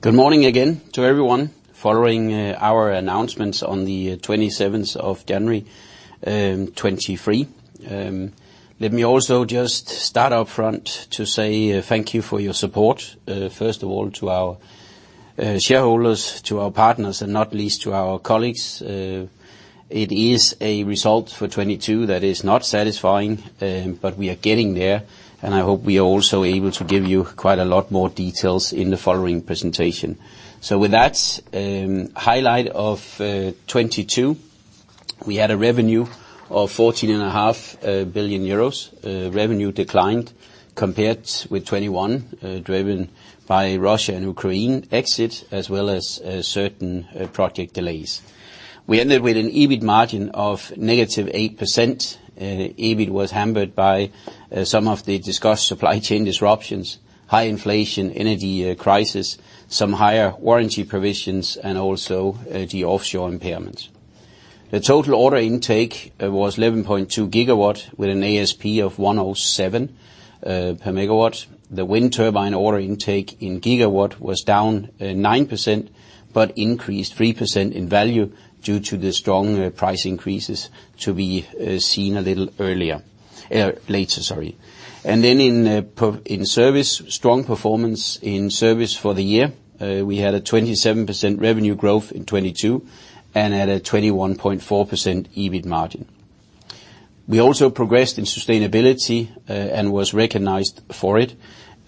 Good morning again to everyone. Following our announcements on the 27th of January 2023, let me also just start up front to say thank you for your support. First of all to our shareholders, to our partners, and not least to our colleagues. It is a result for 2022 that is not satisfying, but we are getting there, and I hope we are also able to give you quite a lot more details in the following presentation. With that, highlight of 2022. We had a revenue of 14.5 billion euros. Revenue declined compared with 2021, driven by Russia and Ukraine exit, as well as certain project delays. We ended with an EBIT margin of -8%. EBIT was hampered by some of the discussed supply chain disruptions, high inflation, energy crisis, some higher warranty provisions, and also the offshore impairments. The total order intake was 11.2 gigawatt with an ASP of 107 per megawatt. The wind turbine order intake in gigawatt was down 9%, but increased 3% in value due to the strong price increases to be seen a little earlier. Later, sorry. Strong performance in service for the year. We had a 27% revenue growth in 2022 and at a 21.4% EBIT margin. We also progressed in sustainability and was recognized for it.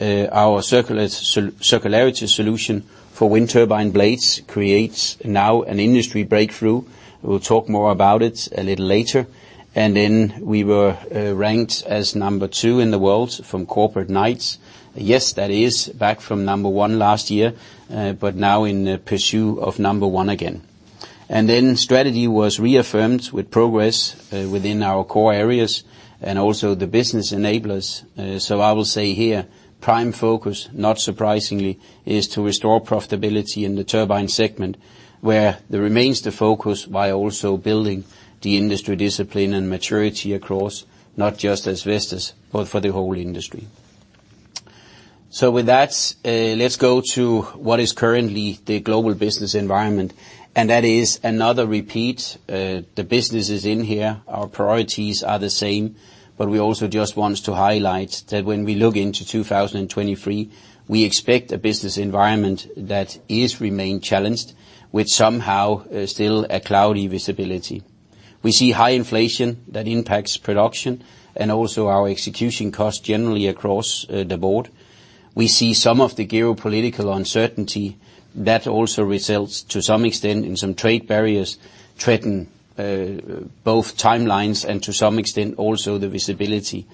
Our circularity solution for wind turbine blades creates now an industry breakthrough. We'll talk more about it a little later. We were ranked as two in the world from Corporate Knights. Yes, that is back from one last year, but now in pursuit of one again. Strategy was reaffirmed with progress within our core areas and also the business enablers. I will say here prime focus, not surprisingly, is to restore profitability in the turbine segment, where the remains the focus by also building the industry discipline and maturity across, not just as Vestas, but for the whole industry. Let's go to what is currently the global business environment, and that is another repeat. The business is in here. Our priorities are the same. We also just want to highlight that when we look into 2023, we expect a business environment that remains challenged with somehow, still a cloudy visibility. We see high inflation that impacts production and also our execution costs generally across the board. We see some of the geopolitical uncertainty. That also results to some extent in some trade barriers threaten both timelines and to some extent also the visibility.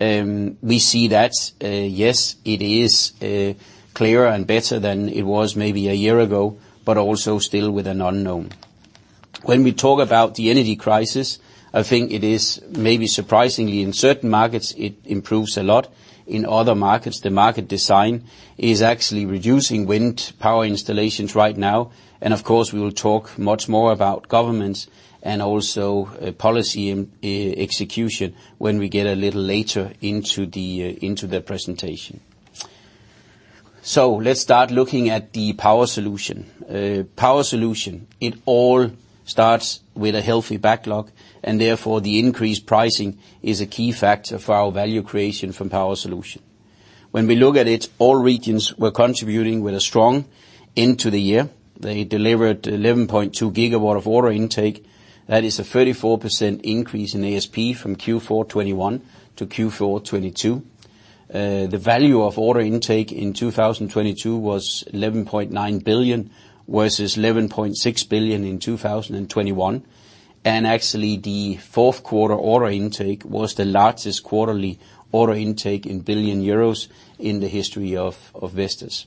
We see that, yes, it is clearer and better than it was maybe a year ago, but also still with an unknown. When we talk about the energy crisis, I think it is maybe surprisingly, in certain markets, it improves a lot. In other markets, the market design is actually reducing wind power installations right now. Of course, we will talk much more about governments and also policy in execution when we get a little later into the presentation. Let's start looking at the Power Solutions. Power Solutions, it all starts with a healthy backlog, and therefore, the increased pricing is a key factor for our value creation from Power Solutions. When we look at it, all regions were contributing with a strong end to the year. They delivered 11.2 gigawatt of order intake. That is a 34% increase in ASP from Q4 2021 to Q4 2022. The value of order intake in 2022 was 11.9 billion, versus 11.6 billion in 2021. Actually, the 4th quarter order intake was the largest quarterly order intake in billion EUR in the history of Vestas.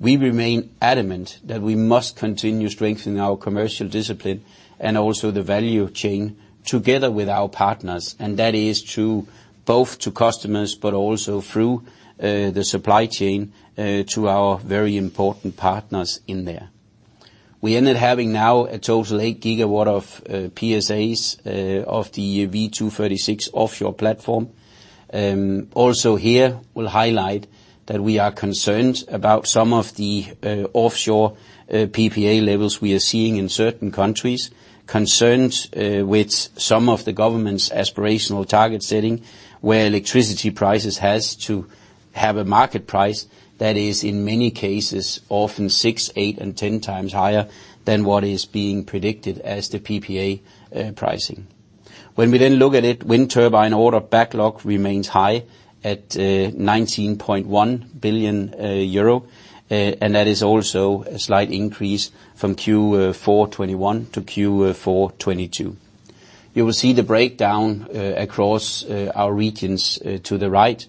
We remain adamant that we must continue strengthening our commercial discipline and also the value chain together with our partners. That is through both to customers, but also through the supply chain to our very important partners in there. We ended having now a total 8 gigawatt of PSAs of the V236 offshore platform. Also here we'll highlight that we are concerned about some of the offshore PPA levels we are seeing in certain countries. Concerned with some of the government's aspirational target setting, where electricity prices has to have a market price that is, in many cases, often six, eight, and 10x higher than what is being predicted as the PPA pricing. we then look at it, wind turbine order backlog remains high at 19.1 billion euro, and that is also a slight increase from Q4 '21-Q4 '22. You will see the breakdown across our regions to the right.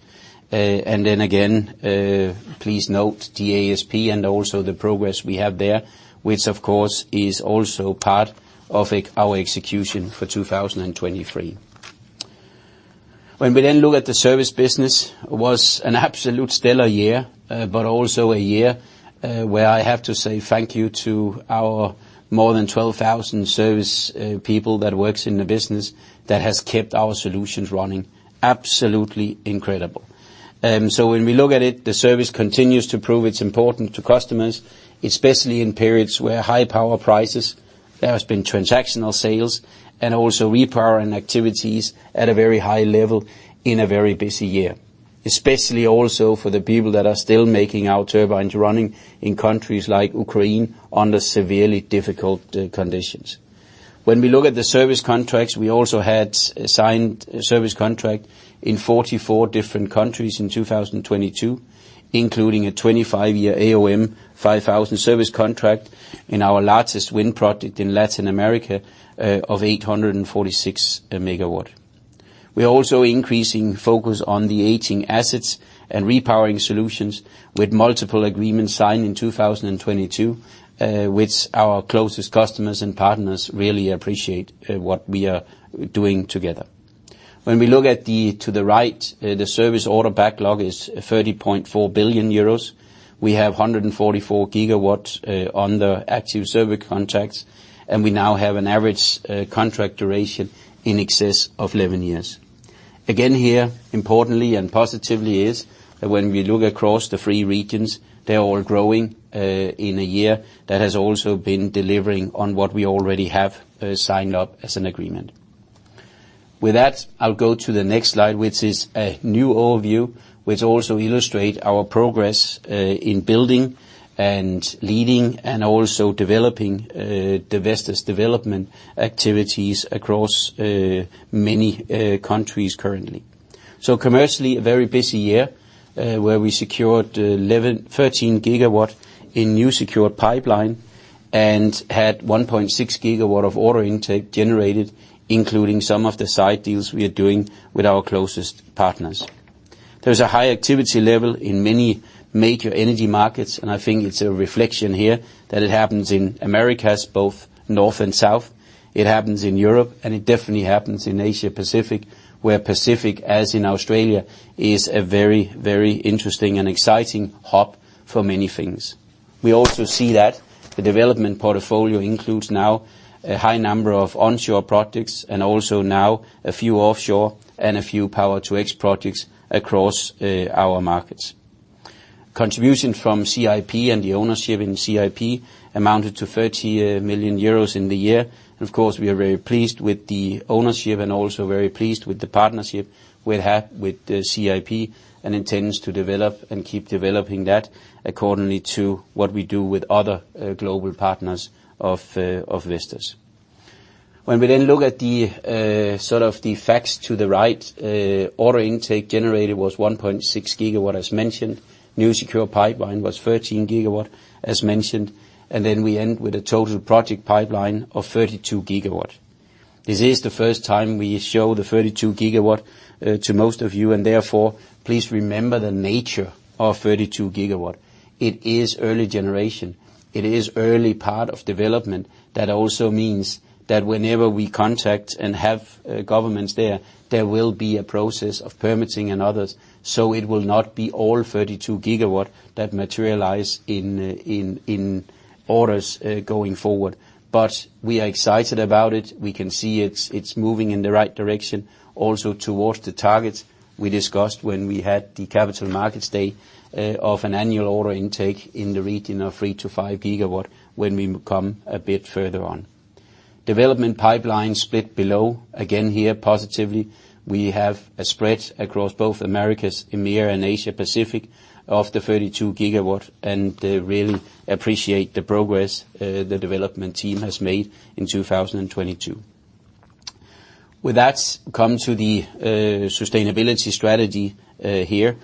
again, please note the ASP and also the progress we have there, which of course is also part of our execution for 2023. we then look at the service business, was an absolute stellar year, but also a year where I have to say thank you to our more than 12,000 service people that works in the business that has kept our solutions running. Absolutely incredible. When we look at it, the service continues to prove it's important to customers, especially in periods where high power prices, there has been transactional sales, and also repowering activities at a very high level in a very busy year. Especially also for the people that are still making our turbines running in countries like Ukraine under severely difficult conditions. When we look at the service contracts, we also had signed a service contract in 44 different countries in 2022, including a 25-year AOM 5000 service contract in our largest wind project in Latin America of 846 megawatt. We're also increasing focus on the aging assets and repowering solutions with multiple agreements signed in 2022, which our closest customers and partners really appreciate what we are doing together. When we look at the to the right, the service order backlog is 30.4 billion euros. We have 144 gigawatts under active service contracts. We now have an average contract duration in excess of 11 years. Again, here, importantly and positively, is that when we look across the three regions, they're all growing in a year that has also been delivering on what we already have signed up as an agreement. With that, I'll go to the next slide, which is a new overview, which also illustrates our progress in building and leading and also developing the Vestas development activities across many countries currently. Commercially, a very busy year, where we secured 13 gigawatt in new secured pipeline and had 1.6 gigawatt of order intake generated, including some of the side deals we are doing with our closest partners. There's a high activity level in many major energy markets, and I think it's a reflection here that it happens in Americas, both north and south, it happens in Europe, and it definitely happens in Asia Pacific, where Pacific, as in Australia, is a very, very interesting and exciting hub for many things. We also see that the development portfolio includes now a high number of onshore projects and also now a few offshore and a few power to X projects across our markets. Contribution from CIP and the ownership in CIP amounted to 30 million euros in the year. Of course, we are very pleased with the ownership and also very pleased with the partnership we have with CIP and intends to develop and keep developing that accordingly to what we do with other global partners of Vestas. When we then look at the sort of the facts to the right, order intake generated was 1.6 gigawatt as mentioned, new secure pipeline was 13 gigawatt as mentioned. We end with a total project pipeline of 32 gigawatt. This is the first time we show the 32 gigawatt to most of you. Therefore, please remember the nature of 32 gigawatt. It is early generation. It is early part of development. That also means that whenever we contact and have governments there will be a process of permitting and others. It will not be all 32 gigawatt that materialize in orders going forward. We are excited about it. We can see it's moving in the right direction, also towards the targets we discussed when we had the capital markets day of an annual order intake in the region of 3-5 gigawatt when we come a bit further on. Development pipeline split below. Again, here positively, we have a spread across both Americas, EMEA and Asia Pacific of the 32 gigawatt, and really appreciate the progress the development team has made in 2022. With that, come to the sustainability strategy here,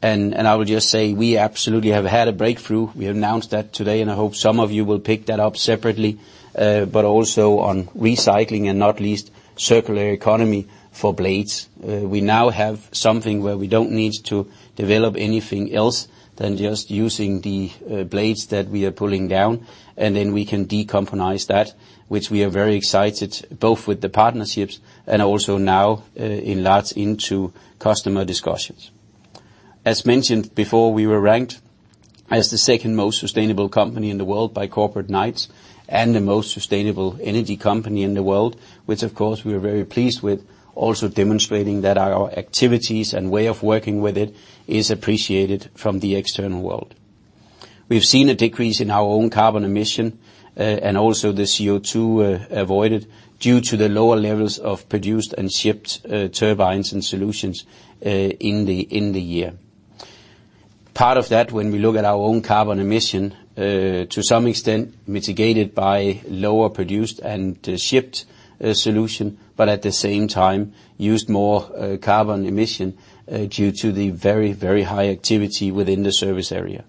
and I would just say we absolutely have had a breakthrough. We announced that today, and I hope some of you will pick that up separately, but also on recycling and not least circular economy for blades. We now have something where we don't need to develop anything else than just using the blades that we are pulling down, and then we can decompose that, which we are very excited, both with the partnerships and also now, in large into customer discussions. As mentioned before, we were ranked as the second most sustainable company in the world by Corporate Knights and the most sustainable energy company in the world, which of course we are very pleased with, also demonstrating that our activities and way of working with it is appreciated from the external world. We've seen a decrease in our own carbon emission, and also the CO2 avoided due to the lower levels of produced and shipped turbines and solutions in the year. Part of that, when we look at our own carbon emission, to some extent mitigated by lower produced and shipped solution, but at the same time used more carbon emission due to the very high activity within the service area.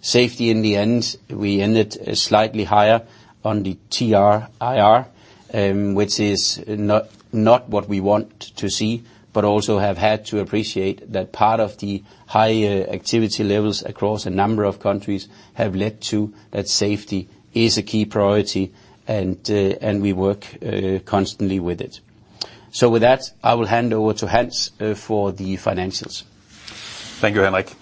Safety in the end, we ended slightly higher on the TRIR, which is not what we want to see, but also have had to appreciate that part of the high activity levels across a number of countries have led to that safety is a key priority and we work constantly with it. With that, I will hand over to Hans for the financials. Thank you, Henrik.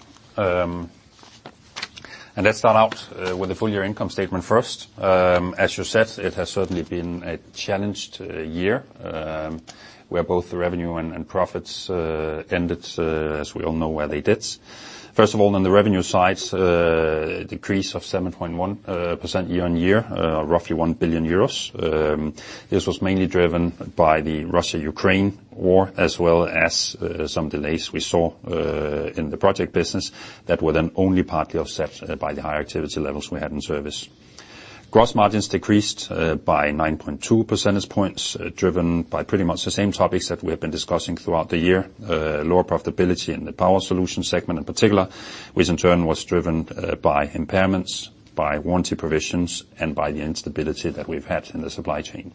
Let's start out with the full year income statement first. As you said, it has certainly been a challenged year, where both the revenue and profits ended as we all know where they did. First of all, on the revenue side, a decrease of 7.1% year-on-year, roughly 1 billion euros. This was mainly driven by the Russia-Ukraine war, as well as some delays we saw in the project business that were then only partly offset by the higher activity levels we had in service. Gross margins decreased, by 9.2 percentage points, driven by pretty much the same topics that we have been discussing throughout the year, lower profitability in the Power Solutions segment in particular, which in turn was driven, by impairments, by warranty provisions, and by the instability that we've had in the supply chain.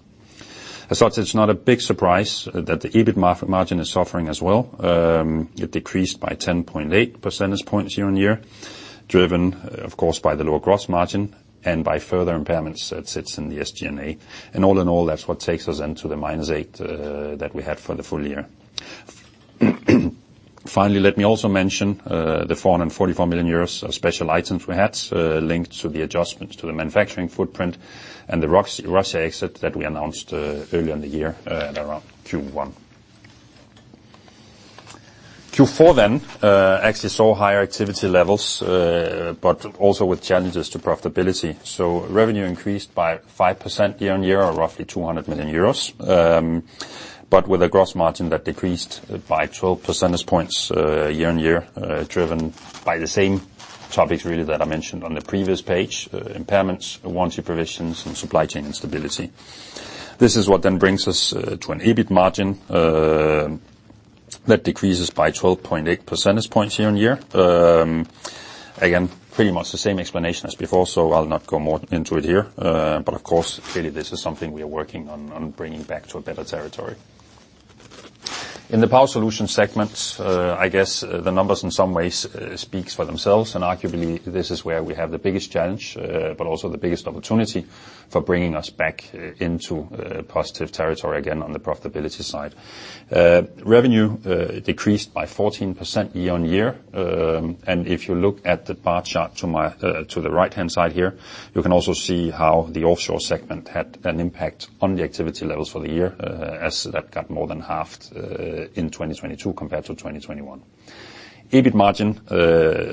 As such, it's not a big surprise that the EBIT margin is suffering as well. It decreased by 10.8 percentage points year-on-year, driven, of course, by the lower gross margin and by further impairments that sits in the SG&A. All in all, that's what takes us into the -8%, that we had for the full year. Finally, let me also mention the 444 million euros of special items we had linked to the adjustments to the manufacturing footprint and the Russia exit that we announced earlier in the year at around Q1. Q4 actually saw higher activity levels, but also with challenges to profitability. Revenue increased by 5% year-on-year or roughly 200 million euros. With a gross margin that decreased by 12 percentage points year-on-year, driven by the same topics really that I mentioned on the previous page, impairments, warranty provisions, and supply chain instability. This is what brings us to an EBIT margin that decreases by 12.8 percentage points year-on-year. Again, pretty much the same explanation as before, I'll not go more into it here. Of course, clearly this is something we are working on bringing back to a better territory. In the Power Solutions segment, I guess the numbers in some ways speaks for themselves. Arguably, this is where we have the biggest challenge, but also the biggest opportunity for bringing us back into positive territory again on the profitability side. Revenue decreased by 14% year-on-year. If you look at the bar chart to my, to the right-hand side here, you can also see how the offshore segment had an impact on the activity levels for the year, as that got more than halved in 2022 compared to 2021. EBIT margin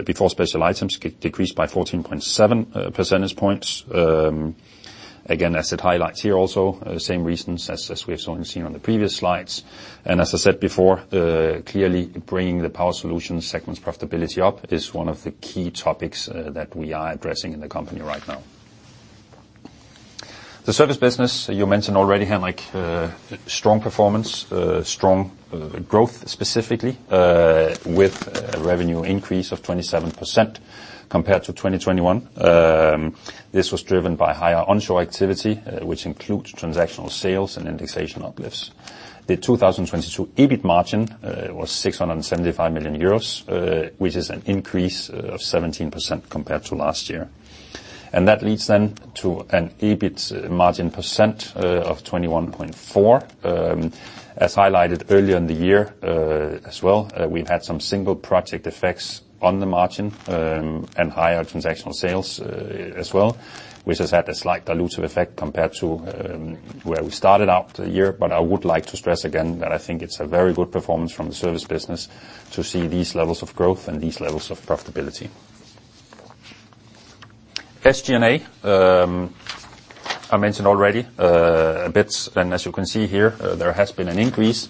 before special items decreased by 14.7 percentage points. Again, as it highlights here also, same reasons as we have seen on the previous slides. As I said before, clearly bringing the Power Solutions segment's profitability up is one of the key topics that we are addressing in the company right now. The service business, you mentioned already, Henrik, strong performance, strong growth specifically with a revenue increase of 27% compared to 2021. This was driven by higher onshore activity, which includes transactional sales and indexation uplifts. The 2022 EBIT margin was 675 million euros, which is an increase of 17% compared to last year. That leads then to an EBIT margin % of 21.4%. As highlighted earlier in the year, as well, we've had some single project effects on the margin, and higher transactional sales, as well, which has had a slight dilutive effect compared to where we started out the year. I would like to stress again that I think it's a very good performance from the service business to see these levels of growth and these levels of profitability. SG&A, I mentioned already a bit, and as you can see here, there has been an increase.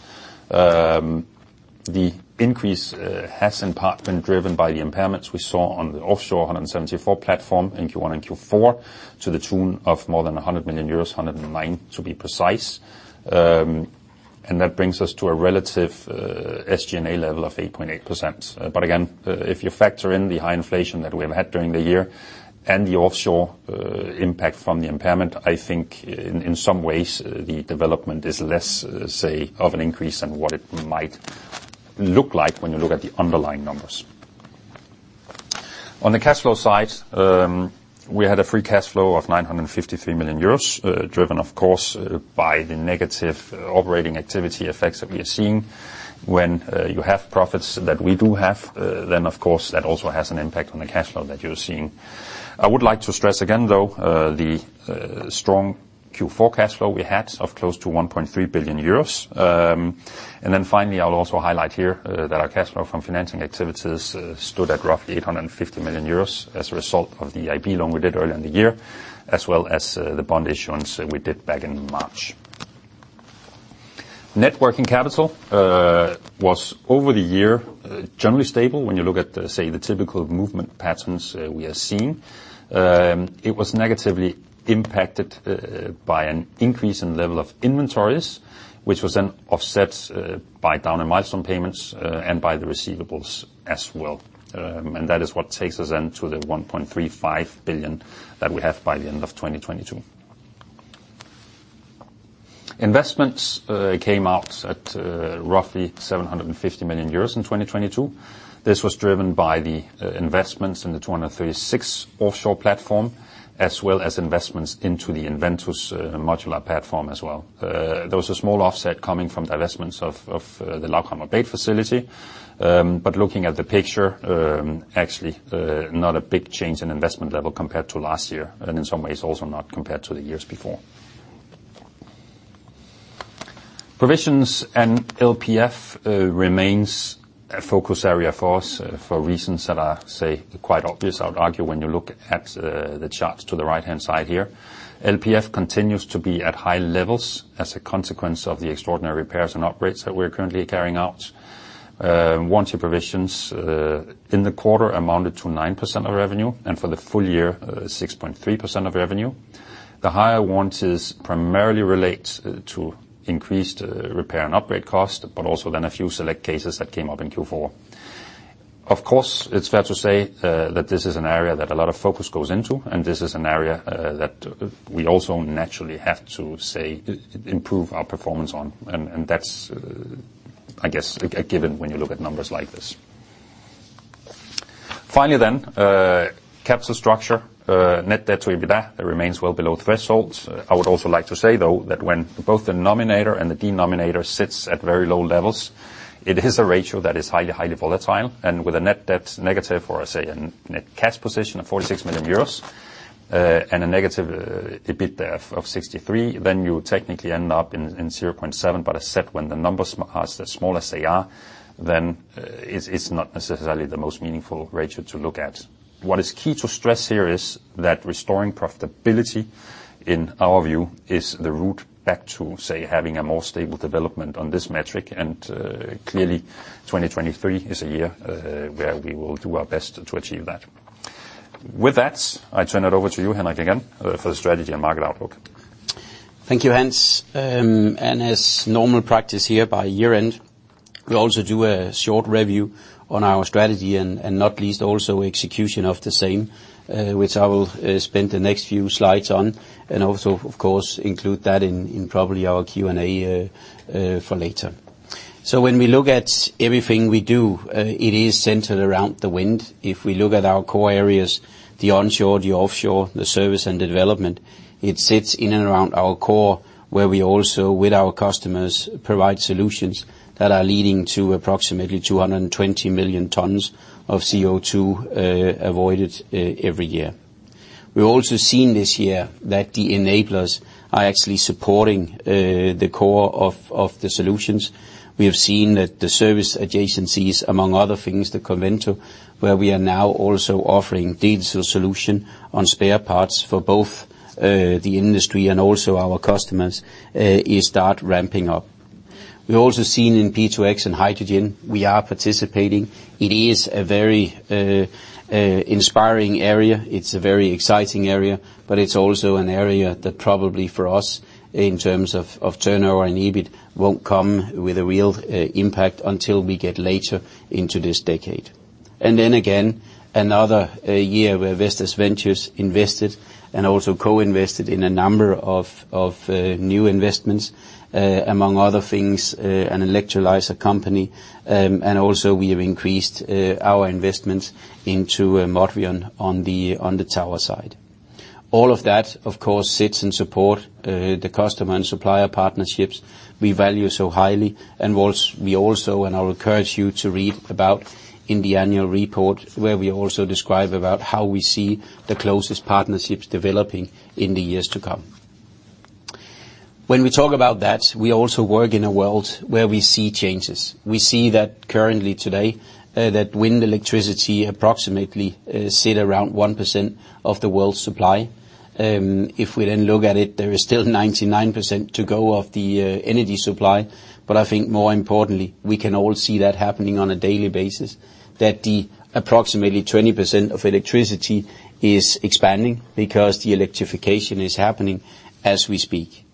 The increase has in part been driven by the impairments we saw on the offshore V174 platform in Q1 and Q4 to the tune of more than 100 million euros, 109 to be precise. That brings us to a relative SG&A level of 8.8%. Again, if you factor in the high inflation that we have had during the year and the offshore impact from the impairment, I think in some ways, the development is less, say, of an increase than what it might look like when you look at the underlying numbers. On the cash flow side, we had a free cash flow of 953 million euros, driven, of course, by the negative operating activity effects that we are seeing. When you have profits that we do have, then of course, that also has an impact on the cash flow that you're seeing. I would like to stress again, though, the strong Q4 cash flow we had of close to 1.3 billion euros. Finally, I'll also highlight here that our cash flow from financing activities stood at roughly 850 million euros as a result of the EIB loan we did earlier in the year, as well as the bond issuance we did back in March. Net working capital was over the year generally stable. When you look at, say, the typical movement patterns we are seeing, it was negatively impacted by an increase in level of inventories, which was then offset by down in milestone payments and by the receivables as well. That is what takes us then to the 1.35 billion that we have by the end of 2022. Investments came out at roughly 750 million euros in 2022. This was driven by the investments in the 236 offshore platform, as well as investments into the EnVentus modular platform as well. There was a small offset coming from the investments of the Lauchhammer blade facility. Looking at the picture, actually, not a big change in investment level compared to last year, and in some ways also not compared to the years before. Provisions and LPF remains a focus area for us for reasons that are, say, quite obvious, I would argue, when you look at the charts to the right-hand side here. LPF continues to be at high levels as a consequence of the extraordinary repairs and upgrades that we're currently carrying out. Warranty provisions in the quarter amounted to 9% of revenue, and for the full year, 6.3% of revenue. The higher warranties primarily relate to increased repair and upgrade costs, but also then a few select cases that came up in Q4. Of course, it's fair to say that this is an area that a lot of focus goes into, and this is an area that we also naturally have to, say, improve our performance on. That's, I guess, a given when you look at numbers like this. Finally, capital structure, net debt to EBITDA remains well below thresholds. I would also like to say, though, that when both the nominator and the denominator sits at very low levels, it is a ratio that is highly volatile. With a net debt negative, or I say a net cash position of 46 million euros, and a negative EBITDA of 63, then you technically end up in 0.7. I said when the numbers are as small as they are, then it's not necessarily the most meaningful ratio to look at. What is key to stress here is that restoring profitability, in our view, is the route back to, say, having a more stable development on this metric. Clearly, 2023 is a year where we will do our best to achieve that. With that, I turn it over to you, Henrik, again, for the strategy and market outlook. Thank you, Hans. And as normal practice here by year-end, we also do a short review on our strategy and not least also execution of the same, which I will spend the next few slides on, and also of course include that in probably our Q&A for later. When we look at everything we do, it is centered around the wind. If we look at our core areas, the onshore, the offshore, the service and development, it sits in and around our core, where we also, with our customers, provide solutions that are leading to approximately 220 million tons of CO2 avoided every year. We've also seen this year that the enablers are actually supporting the core of the solutions. We have seen that the service adjacencies, among other things, the Covento, where we are now also offering digital solution on spare parts for both the industry and also our customers, is start ramping up. We've also seen in P2X and hydrogen, we are participating. It is a very inspiring area. It's a very exciting area, but it's also an area that probably for us, in terms of turnover and EBIT, won't come with a real impact until we get later into this decade. Then again, another year where Vestas Ventures invested and also co-invested in a number of new investments, among other things, an electrolyzer company. Also we have increased our investments into Motrion on the tower side. All of that, of course, sits in support, the customer and supplier partnerships we value so highly. We also, and I'll encourage you to read about in the annual report, where we also describe about how we see the closest partnerships developing in the years to come. We talk about that, we also work in a world where we see changes. We see that currently today, that wind electricity approximately, sit around 1% of the world's supply. If we then look at it, there is still 99% to go of the energy supply. I think more importantly, we can all see that happening on a daily basis, that the approximately 20% of electricity is expanding because the electrification is happening as we speak.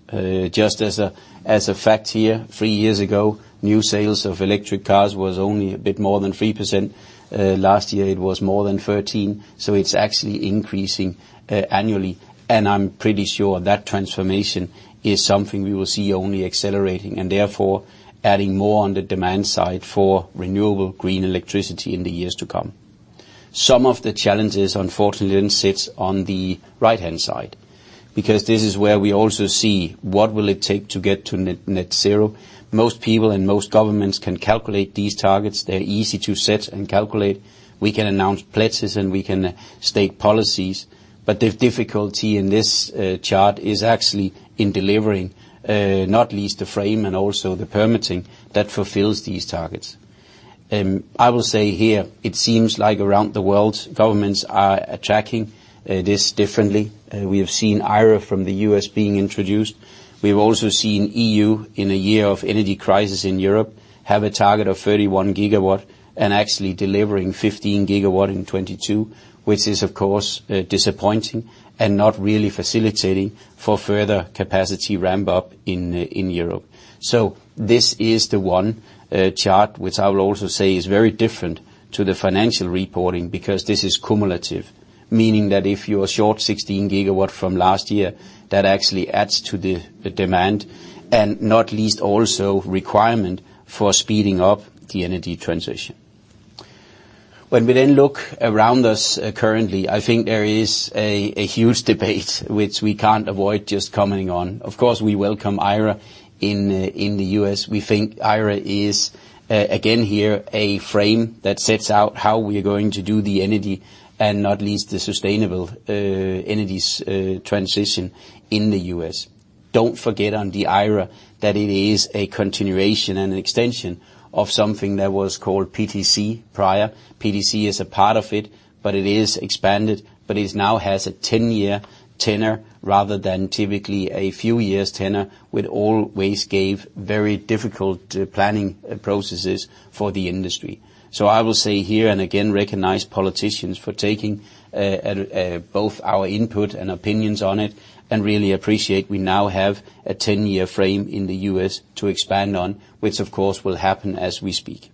Just as a, as a fact here, three years ago, new sales of electric cars was only a bit more than 3%. Last year, it was more than 13, so it's actually increasing annually. I'm pretty sure that transformation is something we will see only accelerating, and therefore adding more on the demand side for renewable green electricity in the years to come. Some of the challenges, unfortunately, then sits on the right-hand side, because this is where we also see what will it take to get to net zero. Most people and most governments can calculate these targets. They're easy to set and calculate. We can announce pledges, and we can state policies. The difficulty in this chart is actually in delivering, not least the frame and also the permitting that fulfills these targets. I will say here, it seems like around the world, governments are tracking this differently. We have seen IRA from the U.S. being introduced. We've also seen EU, in a year of energy crisis in Europe, have a target of 31 gigawatt and actually delivering 15 gigawatt in 2022, which is of course disappointing and not really facilitating for further capacity ramp-up in Europe. This is the one chart, which I will also say is very different to the financial reporting, because this is cumulative. Meaning that if you are short 16 gigawatt from last year, that actually adds to the demand, and not least also requirement for speeding up the energy transition. When we then look around us, currently, I think there is a huge debate which we can't avoid just commenting on. Of course, we welcome IRA in the U.S. We think IRA is again, here a frame that sets out how we are going to do the energy, and not least the sustainable energy's transition in the U.S. Don't forget on the IRA that it is a continuation and an extension of something that was called PTC prior. PTC is a part of it, but it is expanded, but it now has a 10-year tenor rather than typically a few years tenor, which always gave very difficult planning processes for the industry. I will say here, and again, recognize politicians for taking both our input and opinions on it, and really appreciate we now have a 10-year frame in the U.S. to expand on, which of course will happen as we speak.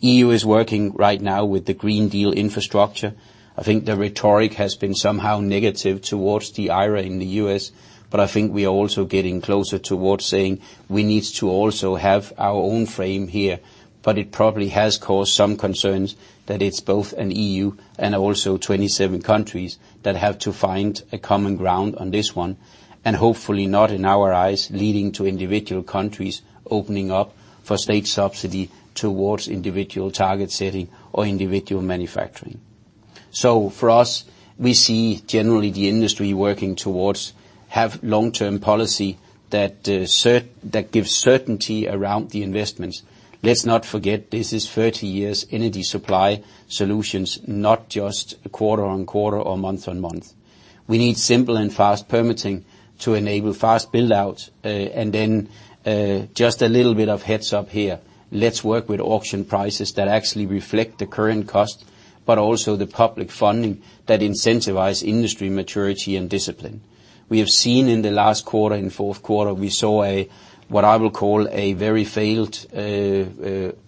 EU is working right now with the Green Deal infrastructure. I think the rhetoric has been somehow negative towards the IRA in the U.S.. I think we are also getting closer towards saying we need to also have our own frame here. It probably has caused some concerns that it's both an EU and also 27 countries that have to find a common ground on this one, and hopefully not in our eyes, leading to individual countries opening up for state subsidy towards individual target setting or individual manufacturing. For us, we see generally the industry working towards have long-term policy that gives certainty around the investments. Let's not forget, this is 30 years energy supply solutions, not just quarter on quarter or month on month. We need simple and fast permitting to enable fast build-out. And then, just a little bit of heads-up here. Let's work with auction prices that actually reflect the current cost, but also the public funding that incentivize industry maturity and discipline. We have seen in the last quarter, in fourth quarter, we saw a, what I will call a very failed,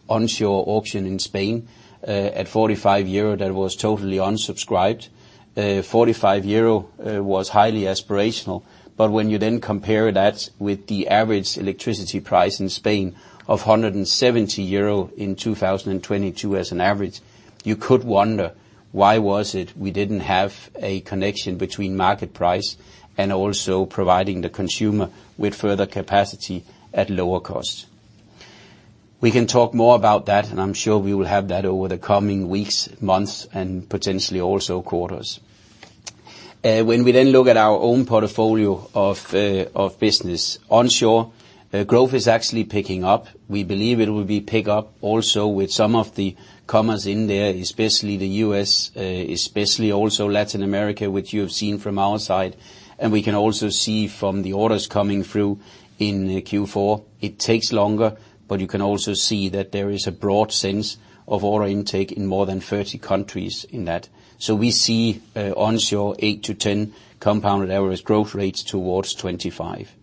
onshore auction in Spain, at 45 euro that was totally unsubscribed. 45 euro was highly aspirational, but when you then compare that with the average electricity price in Spain of 170 euro in 2022 as an average, you could wonder why was it we didn't have a connection between market price and also providing the consumer with further capacity at lower cost. We can talk more about that, and I'm sure we will have that over the coming weeks, months, and potentially also quarters. When we look at our own portfolio of business onshore, growth is actually picking up. We believe it will be pick up also with some of the commerce in there, especially the U.S., especially also Latin America, which you have seen from our side. We can also see from the orders coming through in Q4, it takes longer, but you can also see that there is a broad sense of order intake in more than 30 countries in that. We see onshore 8-10 compounded average growth rates towards 25.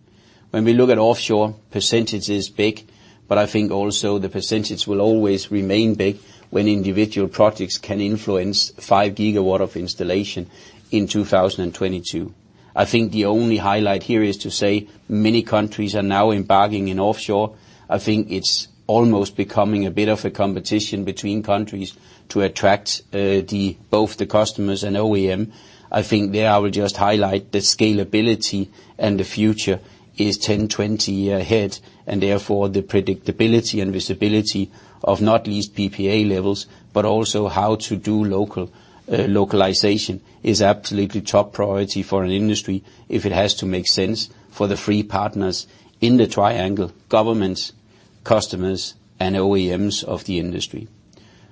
When we look at offshore, percentage is big, but I think also the percentage will always remain big when individual projects can influence 5 gigawatt of installation in 2022. I think the only highlight here is to say many countries are now embarking in offshore. I think it's almost becoming a bit of a competition between countries to attract the, both the customers and OEM. I think there I will just highlight the scalability and the future is 10, 20 year ahead, and therefore, the predictability and visibility of not least PPA levels, but also how to do local localization is absolutely top priority for an industry if it has to make sense for the three partners in the triangle, governments, customers, and OEMs of the industry.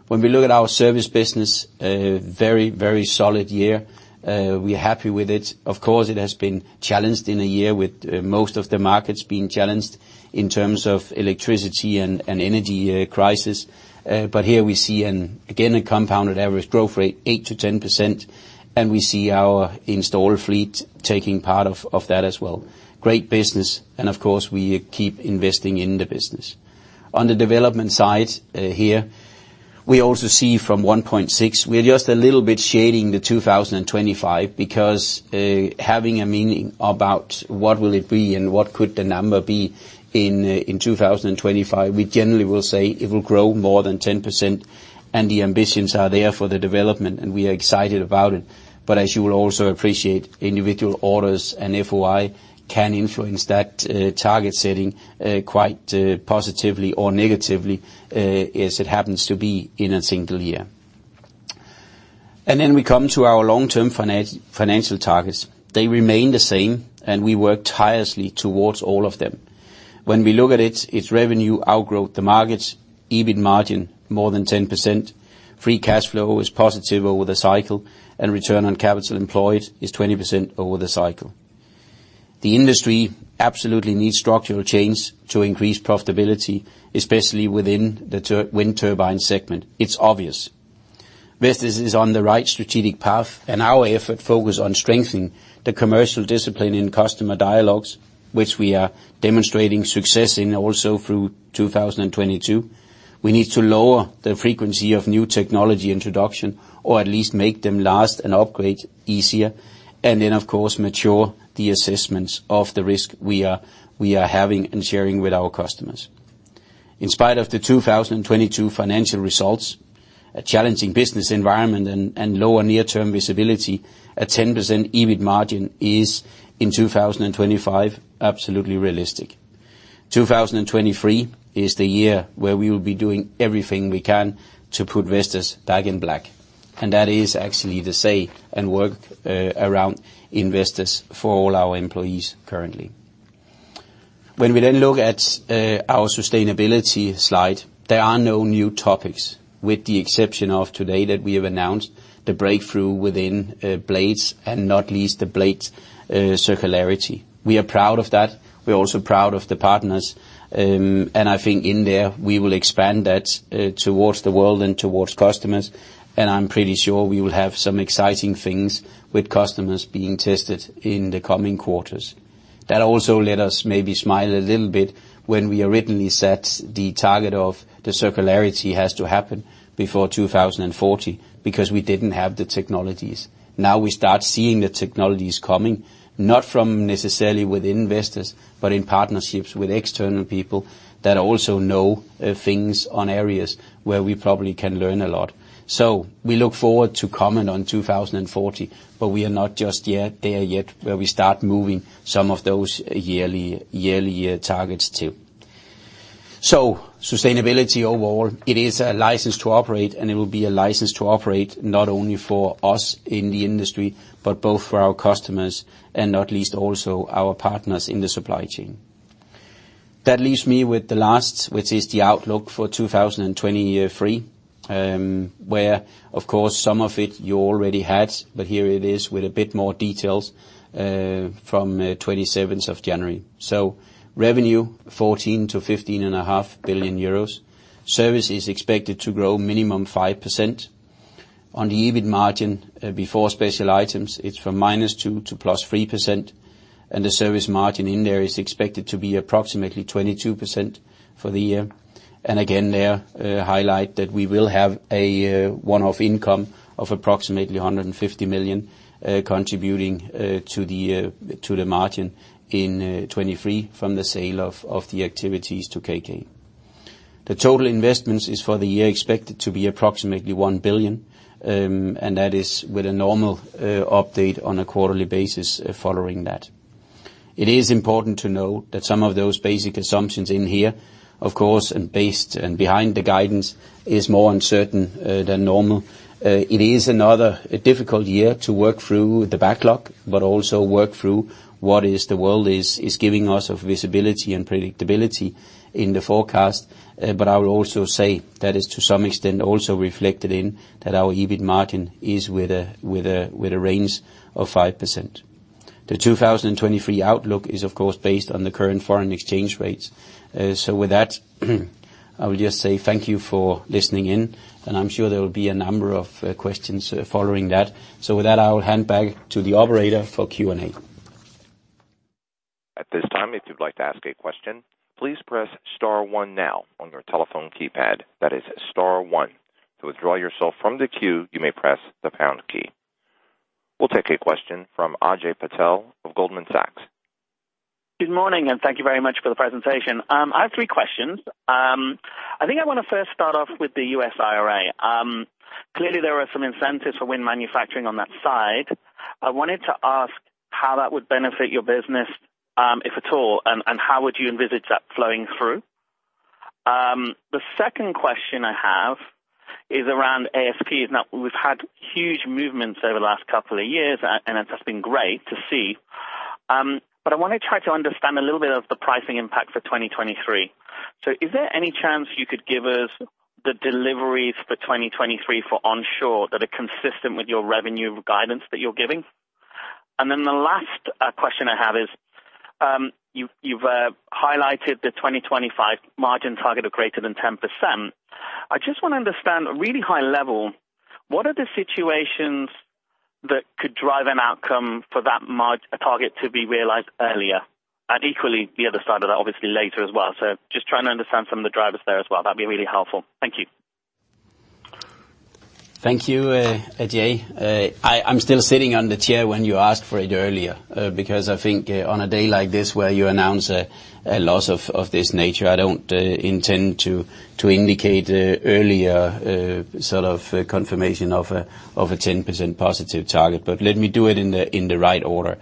When we look at our service business, a very, very solid year. We're happy with it. Of course, it has been challenged in a year with most of the markets being challenged in terms of electricity and energy crisis. Here we see an, again, a compounded average growth rate, 8%-10%, and we see our installed fleet taking part of that as well. Great business. Of course, we keep investing in the business. On the development side, here, we also see from 1.6, we're just a little bit shading the 2025 because, having a meaning about what will it be and what could the number be in 2025, we generally will say it will grow more than 10%. The ambitions are there for the development, and we are excited about it. As you will also appreciate, individual orders and FOI can influence that target setting quite positively or negatively, as it happens to be in a single year. We come to our long-term financial targets. They remain the same, and we work tirelessly towards all of them. When we look at it's revenue outgrow the markets, EBIT margin more than 10%, free cash flow is positive over the cycle, and return on capital employed is 20% over the cycle. The industry absolutely needs structural change to increase profitability, especially within the wind turbine segment. It's obvious. Vestas is on the right strategic path, and our effort focus on strengthening the commercial discipline in customer dialogues, which we are demonstrating success in also through 2022. We need to lower the frequency of new technology introduction, or at least make them last and upgrade easier. Of course, mature the assessments of the risk we are having and sharing with our customers. In spite of the 2022 financial results, a challenging business environment and lower near-term visibility, a 10% EBIT margin is, in 2025, absolutely realistic. 2023 is the year where we will be doing everything we can to put Vestas back in black. That is actually the say and work around Vestas for all our employees currently. When we then look at our sustainability slide, there are no new topics, with the exception of today that we have announced the breakthrough within blades, and not least the blades circularity. We are proud of that. We're also proud of the partners. I think in there, we will expand that towards the world and towards customers, and I'm pretty sure we will have some exciting things with customers being tested in the coming quarters. That also let us maybe smile a little bit when we originally set the target of the circularity has to happen before 2040 because we didn't have the technologies. Now we start seeing the technologies coming, not from necessarily within Vestas, but in partnerships with external people that also know things on areas where we probably can learn a lot. We look forward to comment on 2040, but we are not just yet there yet, where we start moving some of those yearly targets too. Sustainability overall, it is a license to operate, and it will be a license to operate not only for us in the industry, but both for our customers, and not least also our partners in the supply chain. That leaves me with the last, which is the outlook for 2023. Where of course, some of it you already had, but here it is with a bit more details from 27th of January. Revenue, 14 billion-15.5 billion euros. Service is expected to grow minimum 5%. On the EBIT margin, before special items, it's from -2%-+3%, and the service margin in there is expected to be approximately 22% for the year. Again, there, highlight that we will have a one-off income of approximately 150 million, contributing to the margin in 2023 from the sale of the activities to KK. The total investments is for the year expected to be approximately 1 billion. That is with a normal update on a quarterly basis following that. It is important to note that some of those basic assumptions in here, of course, and based and behind the guidance is more uncertain than normal. It is another difficult year to work through the backlog, but also work through what is the world is giving us of visibility and predictability in the forecast. I will also say that is to some extent also reflected in that our EBIT margin is with a range of 5%. The 2023 outlook is of course based on the current foreign exchange rates. With that, I will just say thank you for listening in, and I'm sure there will be a number of questions following that. With that, I will hand back to the operator for Q&A. At this time, if you'd like to ask a question, please press star one now on your telephone keypad. That is star one. To withdraw yourself from the queue, you may press the pound key. We'll take a question from Ajay Patel of Goldman Sachs. Good morning, thank you very much for the presentation. I have three questions. I think I wanna first start off with the US IRA. Clearly there are some incentives for wind manufacturing on that side. I wanted to ask how that would benefit your business, if at all, and how would you envisage that flowing through? The second question I have is around ASP. We've had huge movements over the last couple of years, and it's just been great to see. I wanna try to understand a little bit of the pricing impact for 2023. Is there any chance you could give us the deliveries for 2023 for onshore that are consistent with your revenue guidance that you're giving? The last question I have is, you've highlighted the 2025 margin target of greater than 10%. I just wanna understand really high level, what are the situations that could drive an outcome for that target to be realized earlier? Equally, the other side of that, obviously later as well. Just trying to understand some of the drivers there as well. That'd be really helpful. Thank you. Thank you, Ajay. I'm still sitting on the chair when you asked for it earlier, because I think on a day like this where you announce a loss of this nature, I don't intend to indicate earlier sort of confirmation of a 10% positive target. Let me do it in the right order.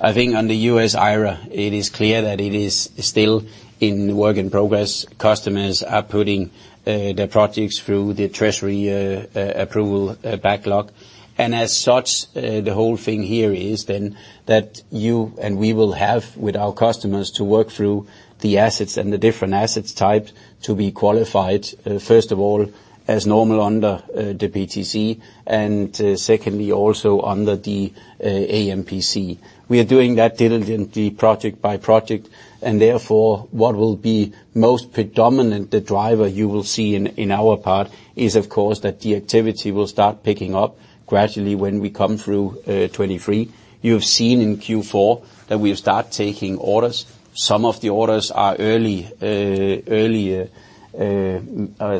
I think on the US IRA, it is clear that it is still in work in progress. Customers are putting their projects through the treasury approval backlog. As such, the whole thing here is then that you and we will have with our customers to work through the assets and the different assets types to be qualified, first of all as normal under the PTC, and secondly, also under the AMPC. We are doing that diligently project by project. What will be most predominant, the driver you will see in our part is of course that the activity will start picking up gradually when we come through 2023. You've seen in Q4 that we've start taking orders. Some of the orders are early,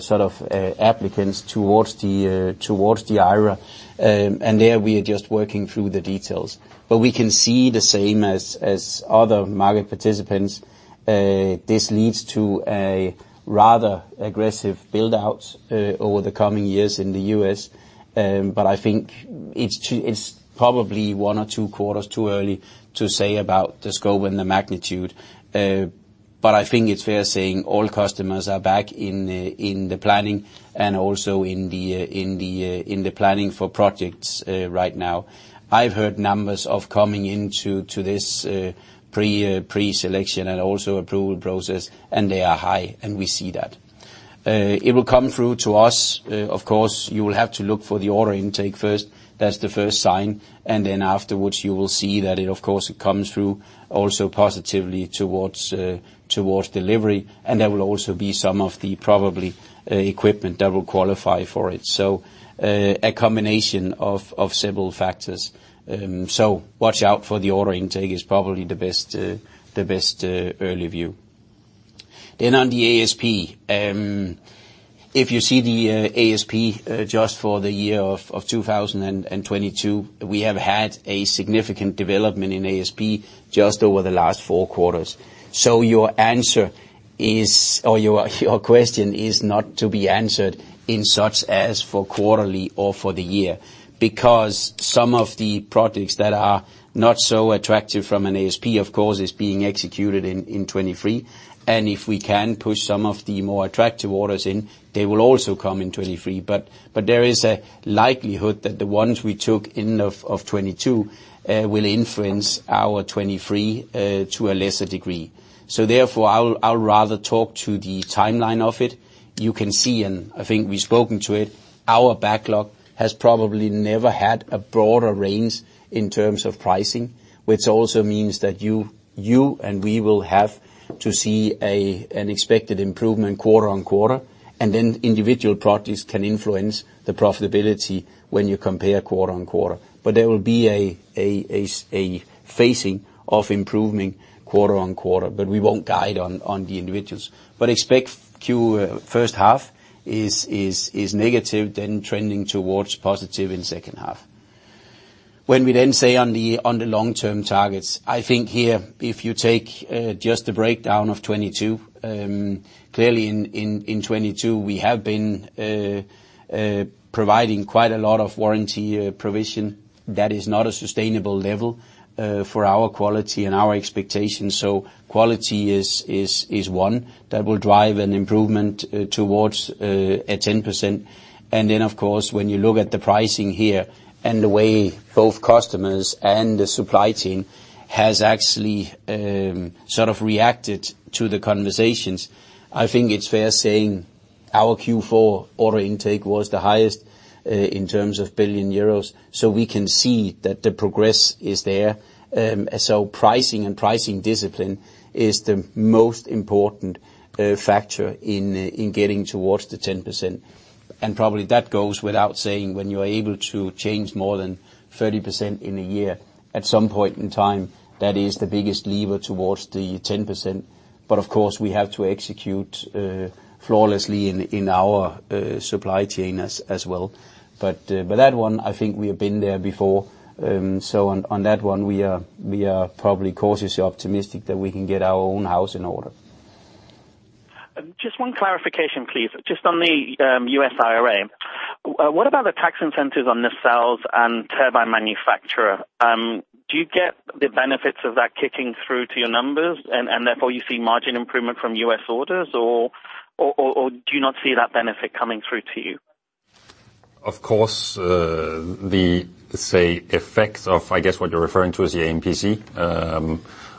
sort of, applicants towards the IRA. There we are just working through the details. We can see the same as other market participants. This leads to a rather aggressive build-out over the coming years in the U.S.. I think it's probably one or two quarters too early to say about the scope and the magnitude. But I think it's fair saying all customers are back in the planning and also in the planning for projects right now. I've heard numbers of coming into to this pre-selection and also approval process, and they are high, and we see that. It will come through to us. Of course, you will have to look for the order intake first. That's the first sign. Then afterwards, you will see that it, of course, it comes through also positively towards delivery. There will also be some of the probably equipment that will qualify for it. A combination of several factors. Watch out for the order intake is probably the best the best early view. On the ASP, if you see the ASP, just for the year 2022, we have had a significant development in ASP just over the last 4 quarters. Your answer is, or your question is not to be answered in such as for quarterly or for the year. Some of the products that are not so attractive from an ASP, of course, is being executed in 2023. If we can push some of the more attractive orders in, they will also come in 2023. There is a likelihood that the ones we took in 2022, will influence our 2023, to a lesser degree. Therefore, I'll rather talk to the timeline of it. You can see, and I think we've spoken to it, our backlog has probably never had a broader range in terms of pricing, which also means that you and we will have to see an expected improvement quarter-on-quarter. Individual products can influence the profitability when you compare quarter-on-quarter. There will be a phasing of improving quarter-on-quarter, but we won't guide on the individuals. Expect Q first half is negative, then trending towards positive in second half. We then say on the long-term targets, I think here, if you take just the breakdown of 2022, clearly in 2022, we have been providing quite a lot of warranty provision that is not a sustainable level for our quality and our expectations. Quality is one that will drive an improvement towards a 10%. Of course, when you look at the pricing here and the way both customers and the supply chain has actually sort of reacted to the conversations, I think it's fair saying our Q4 order intake was the highest in terms of billion euros, so we can see that the progress is there. Pricing and pricing discipline is the most important factor in getting towards the 10%. Probably that goes without saying, when you are able to change more than 30% in a year, at some point in time, that is the biggest lever towards the 10%. Of course, we have to execute flawlessly in our supply chain as well. That one, I think we have been there before. On, on that one, we are probably cautiously optimistic that we can get our own house in order. Just one clarification, please. Just on the U.S. IRA. What about the tax incentives on the cells and turbine manufacturer? Do you get the benefits of that kicking through to your numbers and therefore you see margin improvement from U.S. orders? Or do you not see that benefit coming through to you? Of course, the, say, effects of, I guess, what you're referring to as the AMPC,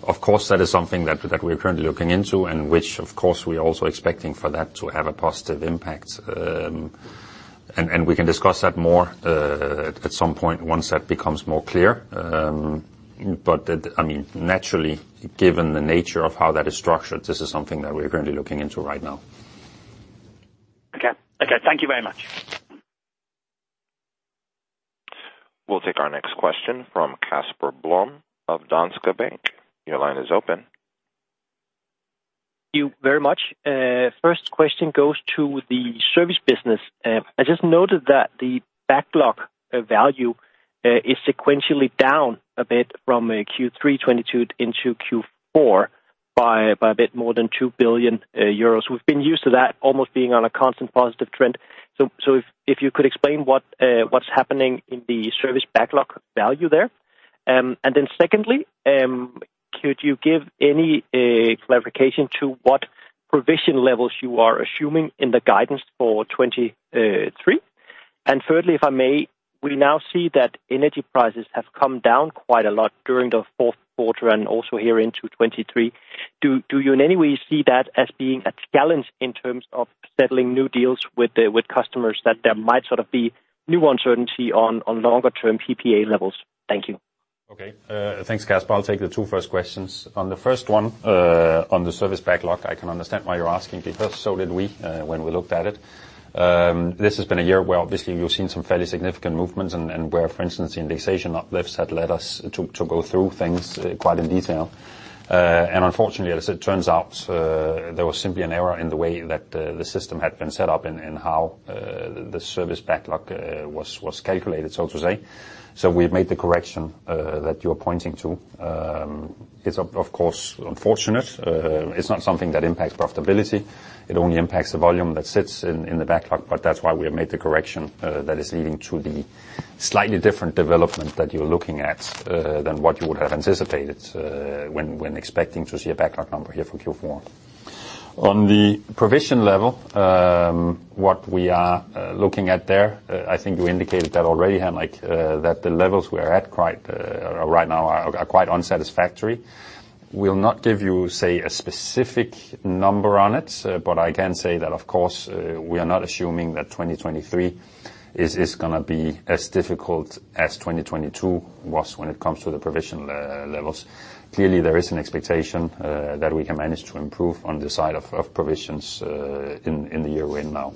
of course, that is something that we're currently looking into, and which of course we're also expecting for that to have a positive impact. We can discuss that more at some point once that becomes more clear. That, I mean, naturally, given the nature of how that is structured, this is something that we're currently looking into right now. Okay. Okay, thank you very much. We'll take our next question from Casper Blom of Danske Bank. Your line is open. You very much. First question goes to the service business. I just noted that the backlog value is sequentially down a bit from Q3 2022 into Q4 by a bit more than 2 billion euros. We've been used to that almost being on a constant positive trend. If you could explain what what's happening in the service backlog value there. Secondly, could you give any clarification to what provision levels you are assuming in the guidance for 2023? Thirdly, if I may, we now see that energy prices have come down quite a lot during the fourth quarter and also here into 2023. Do you in any way see that as being a challenge in terms of settling new deals with customers that there might sort of be new uncertainty on longer term PPA levels? Thank you. Okay. Thanks, Casper. I'll take the two first questions. On the first one, on the service backlog, I can understand why you're asking because so did we, when we looked at it. This has been a year where obviously you've seen some fairly significant movements and where, for instance, indexation uplifts had led us to go through things quite in detail. Unfortunately, as it turns out, there was simply an error in the way that the system had been set up and how the service backlog was calculated, so to say. We've made the correction that you're pointing to. It's of course unfortunate. It's not something that impacts profitability. It only impacts the volume that sits in the backlog. That's why we have made the correction that is leading to the slightly different development that you're looking at than what you would have anticipated when expecting to see a backlog number here for Q4. On the provision level, what we are looking at there, I think you indicated that already, Henrik, like, that the levels we're at quite right now are quite unsatisfactory. We'll not give you, say, a specific number on it, but I can say that of course, we are not assuming that 2023 is gonna be as difficult as 2022 was when it comes to the provision levels. Clearly, there is an expectation, that we can manage to improve on the side of provisions, in the year we're in now.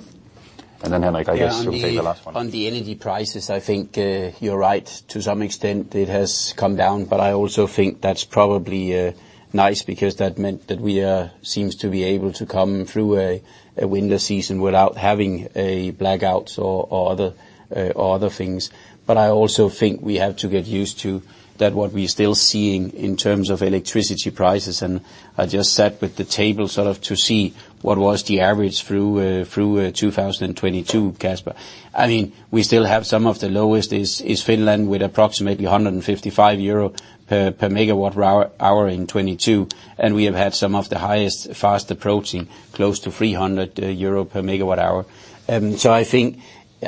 Then, Henrik, I guess you'll take the last one. Yeah. On the energy prices, I think, you're right to some extent it has come down. I also think that's probably nice because that meant that we seems to be able to come through a winter season without having blackouts or other things. I also think we have to get used to that what we're still seeing in terms of electricity prices. I just sat with the table sort of to see what was the average through 2022, Casper. I mean, we still have some of the lowest is Finland with approximately 155 euro per megawatt hour in 2022, and we have had some of the highest fast approaching, close to 300 euro per megawatt hour.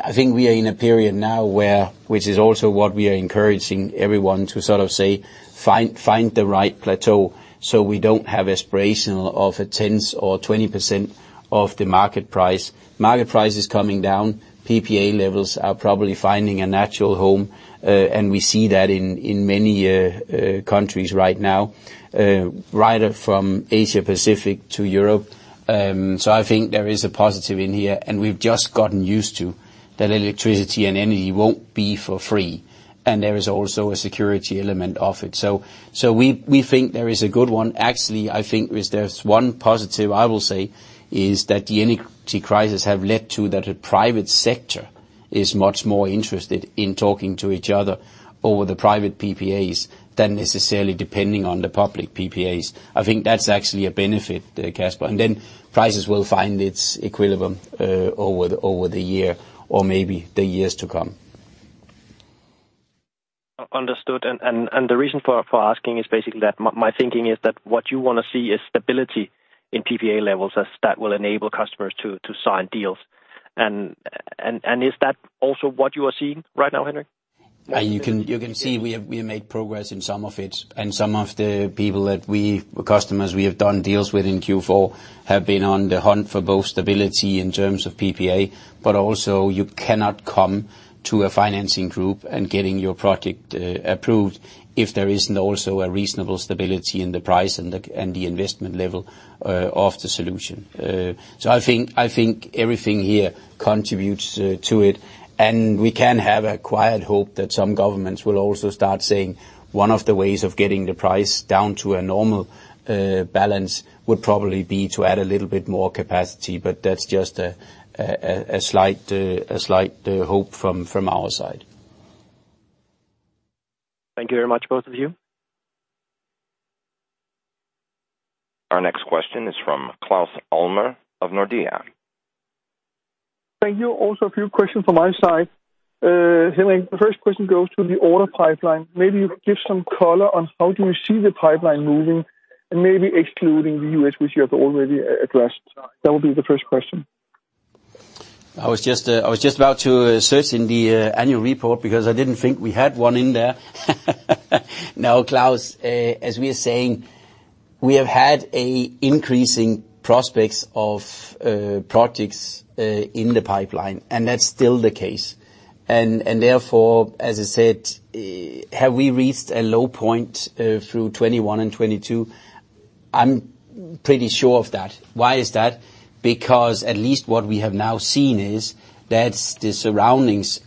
I think we are in a period now where, which is also what we are encouraging everyone to sort of say, find the right plateau, so we don't have aspiration of a 10%-20% of the market price. Market price is coming down. PPA levels are probably finding a natural home, and we see that in many countries right now, right up from Asia-Pacific to Europe. I think there is a positive in here, and we've just gotten used to that electricity and energy won't be for free, and there is also a security element of it. So we think there is a good one. Actually, I think is there's one positive I will say is that the energy crisis have led to that the private sector is much more interested in talking to each other over the private PPAs than necessarily depending on the public PPAs. I think that's actually a benefit, Casper. Then prices will find its equilibrium over the, over the year or maybe the years to come. Understood. The reason for asking is basically that my thinking is that what you wanna see is stability in PPA levels as that will enable customers to sign deals. Is that also what you are seeing right now, Henrik? You can see we have made progress in some of it, and some of the people that we, customers we have done deals with in Q4 have been on the hunt for both stability in terms of PPA, but also you cannot come to a financing group and getting your project approved if there isn't also a reasonable stability in the price and the investment level of the solution. I think everything here contributes to it. We can have a quiet hope that some governments will also start saying, one of the ways of getting the price down to a normal balance would probably be to add a little bit more capacity. That's just a slight hope from our side. Thank you very much, both of you. Our next question is from Claus Almer of Nordea. Thank you. Also a few questions from my side. Henrik, the first question goes to the order pipeline. Maybe you give some color on how do you see the pipeline moving and maybe excluding the U.S., which you have already addressed. That would be the first question. I was just, I was just about to search in the annual report because I didn't think we had one in there. No, Claus, as we are saying, we have had a increasing prospects of projects in the pipeline, and that's still the case. Therefore, as I said, have we reached a low point through 2021 and 2022? I'm pretty sure of that. Why is that? At least what we have now seen is that the surroundings,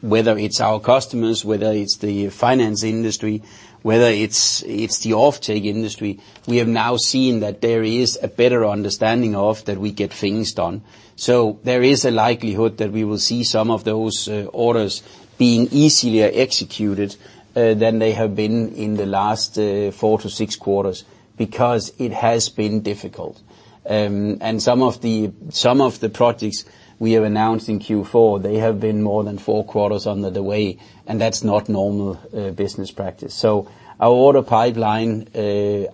whether it's our customers, whether it's the finance industry, whether it's the offtake industry, we have now seen that there is a better understanding of that we get things done. There is a likelihood that we will see some of those orders being easier executed than they have been in the last 4-6 quarters because it has been difficult. Some of the projects we have announced in Q4, they have been more than four quarters under the way, and that's not normal business practice. Our order pipeline,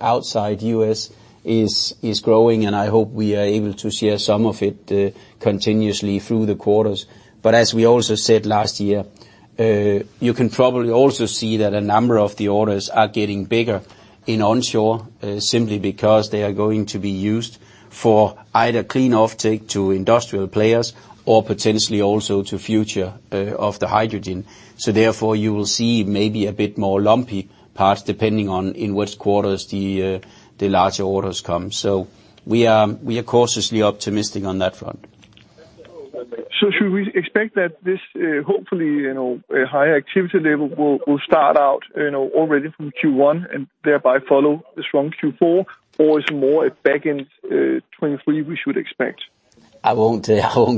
outside U.S. is growing, and I hope we are able to share some of it continuously through the quarters. As we also said last year, you can probably also see that a number of the orders are getting bigger in onshore, simply because they are going to be used for either clean offtake to industrial players or potentially also to future of the hydrogen. Therefore, you will see maybe a bit more lumpy parts depending on in which quarters the larger orders come. We are cautiously optimistic on that front. Should we expect that this, hopefully, you know, a higher activity level will start out, you know, already from Q1, and thereby follow the strong Q4? Or is it more a back end, 2023, we should expect? I won't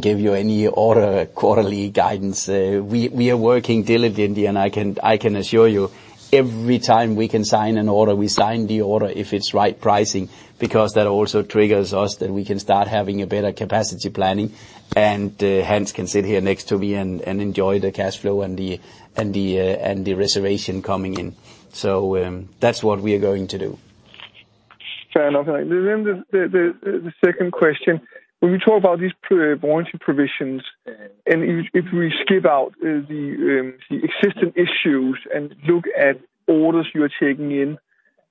give you any order quarterly guidance. We are working diligently, and I can assure you every time we can sign an order, we sign the order if it's right pricing, because that also triggers us that we can start having a better capacity planning. Hans can sit here next to me and enjoy the cash flow and the and the reservation coming in. That's what we are going to do. Fair enough. The second question. When you talk about these warranty provisions, and if we skip out the existing issues and look at orders you are taking in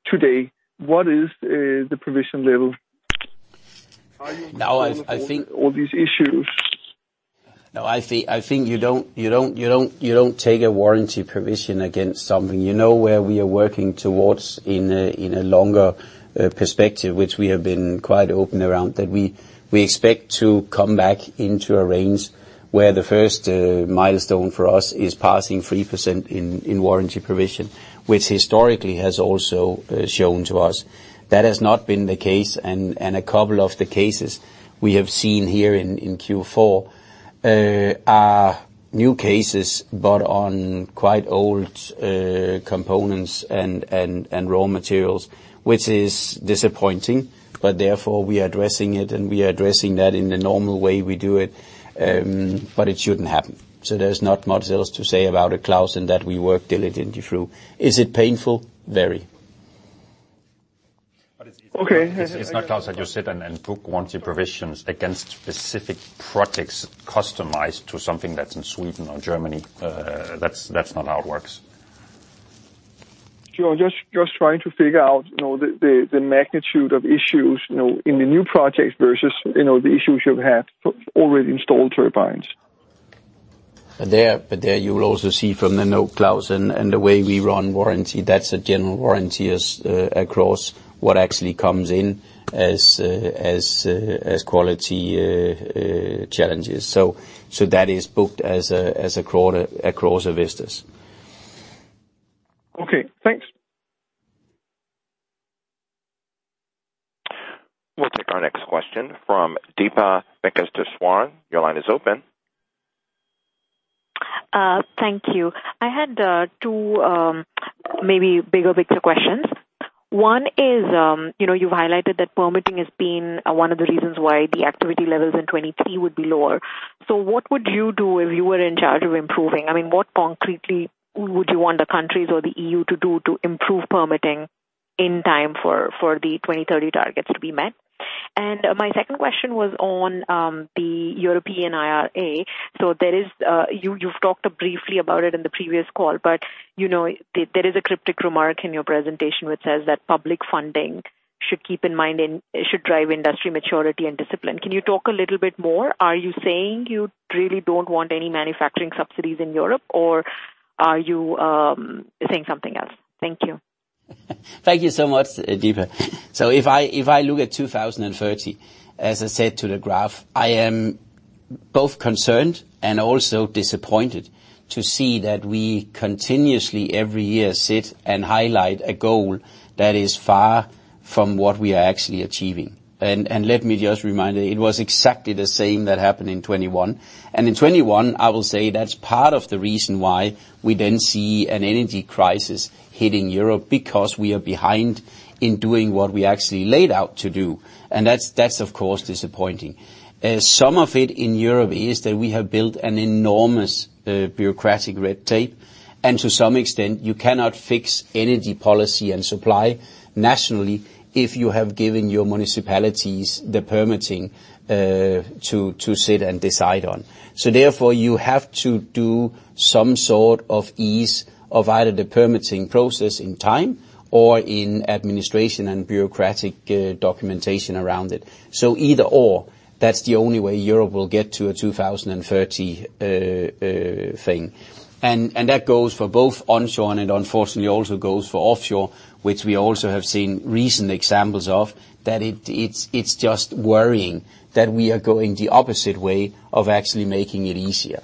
today, what is the provision level? Now, I think-. All these issues. No, I think you don't take a warranty provision against something. You know where we are working towards in a longer perspective, which we have been quite open around, that we expect to come back into a range where the first milestone for us is passing 3% in warranty provision, which historically has also shown to us. That has not been the case. A couple of the cases we have seen here in Q4 are new cases, but on quite old components and raw materials, which is disappointing. Therefore, we are addressing it, and we are addressing that in the normal way we do it. It shouldn't happen. There's not much else to say about it, Claus. That we work diligently through. Is it painful? Very. Okay. It's not, Claus, that you sit and book warranty provisions against specific projects customized to something that's in Sweden or Germany. That's not how it works. Sure. Just trying to figure out, you know, the magnitude of issues, you know, in the new projects versus, you know, the issues you have already installed turbines. There you will also see from the note, Klaus, and the way we run warranty, that's a general warranty as across what actually comes in as quality challenges. That is booked as a across the business. Okay, thanks. We'll take our next question from Deepa Venkateswaran. Your line is open. Thank you. I had two, maybe bigger picture questions. One is, you know, you've highlighted that permitting has been one of the reasons why the activity levels in 2023 would be lower. What would you do if you were in charge of improving? I mean, what concretely would you want the countries or the EU to do to improve permitting in time for the 2030 targets to be met? My second question was on the European IRA. You've talked briefly about it in the previous call, but, you know, there is a cryptic remark in your presentation which says that public funding should keep in mind and it should drive industry maturity and discipline. Can you talk a little bit more? Are you saying you really don't want any manufacturing subsidies in Europe, or are you saying something else? Thank you. Thank you so much, Deepa. If I look at 2030, as I said to the graph, I am both concerned and also disappointed to see that we continuously, every year, sit and highlight a goal that is far from what we are actually achieving. Let me just remind you, it was exactly the same that happened in 2021. In 2021, I will say that's part of the reason why we then see an energy crisis hitting Europe, because we are behind in doing what we actually laid out to do. That's of course disappointing. Some of it in Europe is that we have built an enormous bureaucratic red tape, and to some extent, you cannot fix energy policy and supply nationally if you have given your municipalities the permitting to sit and decide on. Therefore, you have to do some sort of ease of either the permitting process in time or in administration and bureaucratic documentation around it. Either/or, that's the only way Europe will get to a 2030 thing. That goes for both onshore and unfortunately also goes for offshore, which we also have seen recent examples of, that it's just worrying that we are going the opposite way of actually making it easier.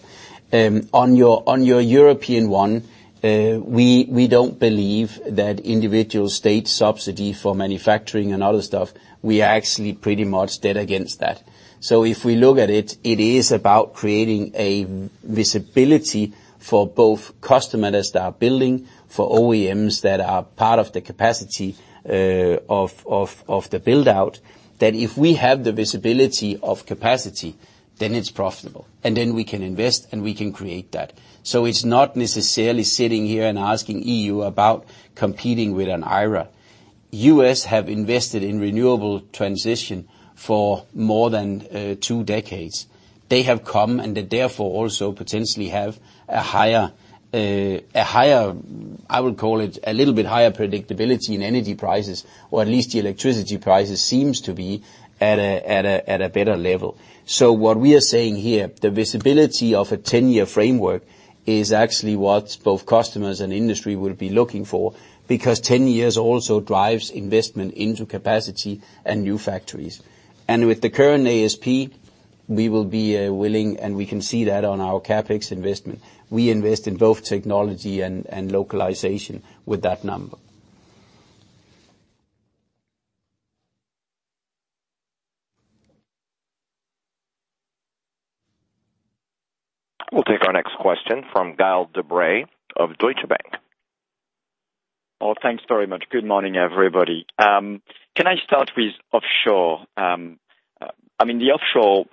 On your European one, we don't believe that individual state subsidy for manufacturing and other stuff, we are actually pretty much dead against that. If we look at it is about creating a visibility for both customers that are building, for OEMs that are part of the capacity of the build-out. If we have the visibility of capacity, then it's profitable, and then we can invest and we can create that. It's not necessarily sitting here and asking EU about competing with an IRA. U.S. have invested in renewable transition for more than two decades. They have come, and they therefore also potentially have a higher, a higher, I would call it, a little bit higher predictability in energy prices, or at least the electricity prices seems to be at a better level. What we are saying here, the visibility of a 10-year framework is actually what both customers and industry will be looking for, because 10 years also drives investment into capacity and new factories. With the current ASP. We will be willing, and we can see that on our CapEx investment. We invest in both technology and localization with that number. We'll take our next question from Gael de-Bray of Deutsche Bank. Thanks very much. Good morning, everybody. Can I start with offshore? I mean, the offshore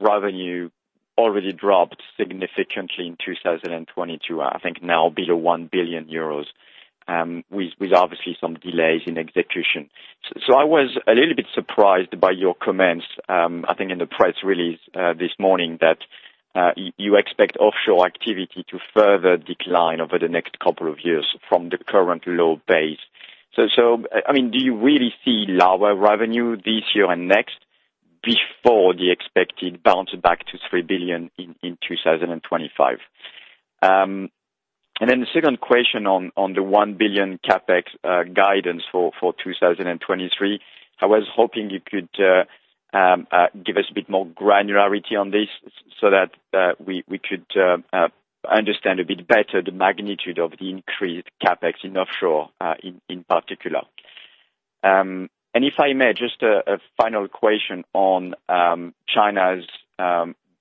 revenue already dropped significantly in 2020 to, I think now below 1 billion euros, with obviously some delays in execution. I was a little bit surprised by your comments, I think in the press release this morning that you expect offshore activity to further decline over the next couple of years from the current low base. I mean, do you really see lower revenue this year and next before the expected bounce back to 3 billion in 2025? The second question on the 1 billion CapEx guidance for 2023, I was hoping you could give us a bit more granularity on this so that we could understand a bit better the magnitude of the increased CapEx in offshore in particular. If I may, just a final question on China's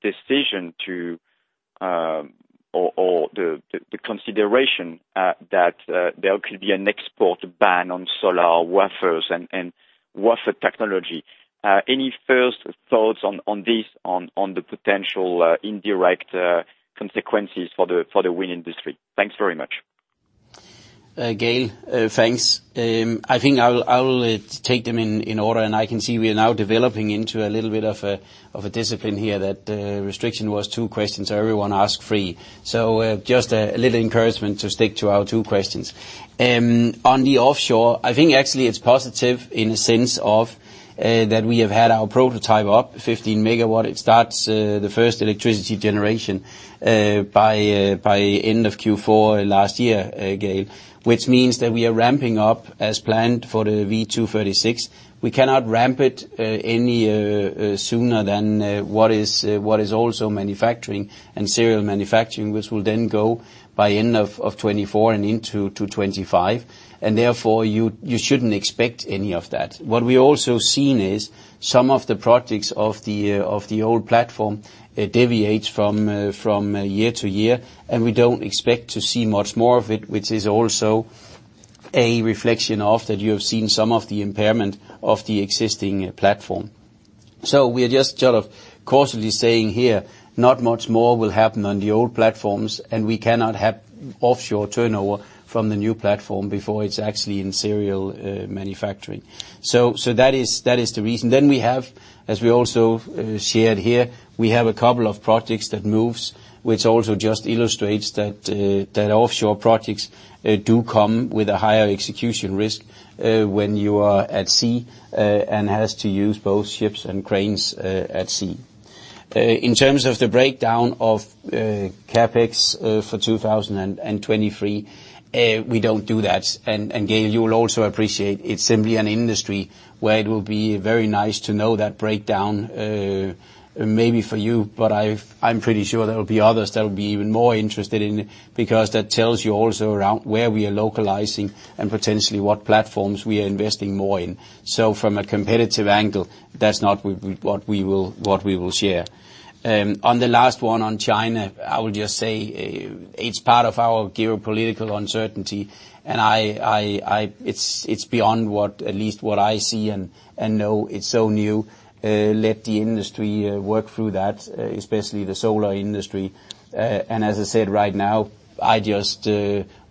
decision to or the consideration that there could be an export ban on solar wafers and wafer technology. Any first thoughts on this on the potential indirect consequences for the wind industry? Thanks very much. Gail, thanks. I think I'll take them in order, and I can see we are now developing into a little bit of a discipline here that the restriction was two questions, everyone asked three. Just a little encouragement to stick to our two questions. On the offshore, I think actually it's positive in the sense that we have had our prototype up 15 megawatt. It starts the first electricity generation by end of Q4 last year, Gail, which means that we are ramping up as planned for the V236. We cannot ramp it any sooner than what is also manufacturing and serial manufacturing, which will then go by end of 2024 and into 2025, therefore you shouldn't expect any of that. What we also seen is some of the projects of the old platform deviates from year to year, and we don't expect to see much more of it, which is also a reflection of that you have seen some of the impairment of the existing platform. We are just sort of cautiously saying here, not much more will happen on the old platforms, and we cannot have offshore turnover from the new platform before it's actually in serial manufacturing. That is the reason. We have, as we also shared here, we have a couple of projects that moves, which also just illustrates that offshore projects do come with a higher execution risk when you are at sea and has to use both ships and cranes at sea. In terms of the breakdown of CapEx for 2023, we don't do that. Gail, you will also appreciate it's simply an industry where it will be very nice to know that breakdown, maybe for you, but I'm pretty sure there will be others that will be even more interested in it because that tells you also around where we are localizing and potentially what platforms we are investing more in. From a competitive angle, that's not what we will, what we will share. On the last one on China, I would just say it's part of our geopolitical uncertainty. I... it's beyond what, at least what I see and know. It's so new. Let the industry work through that, especially the solar industry. As I said right now, I just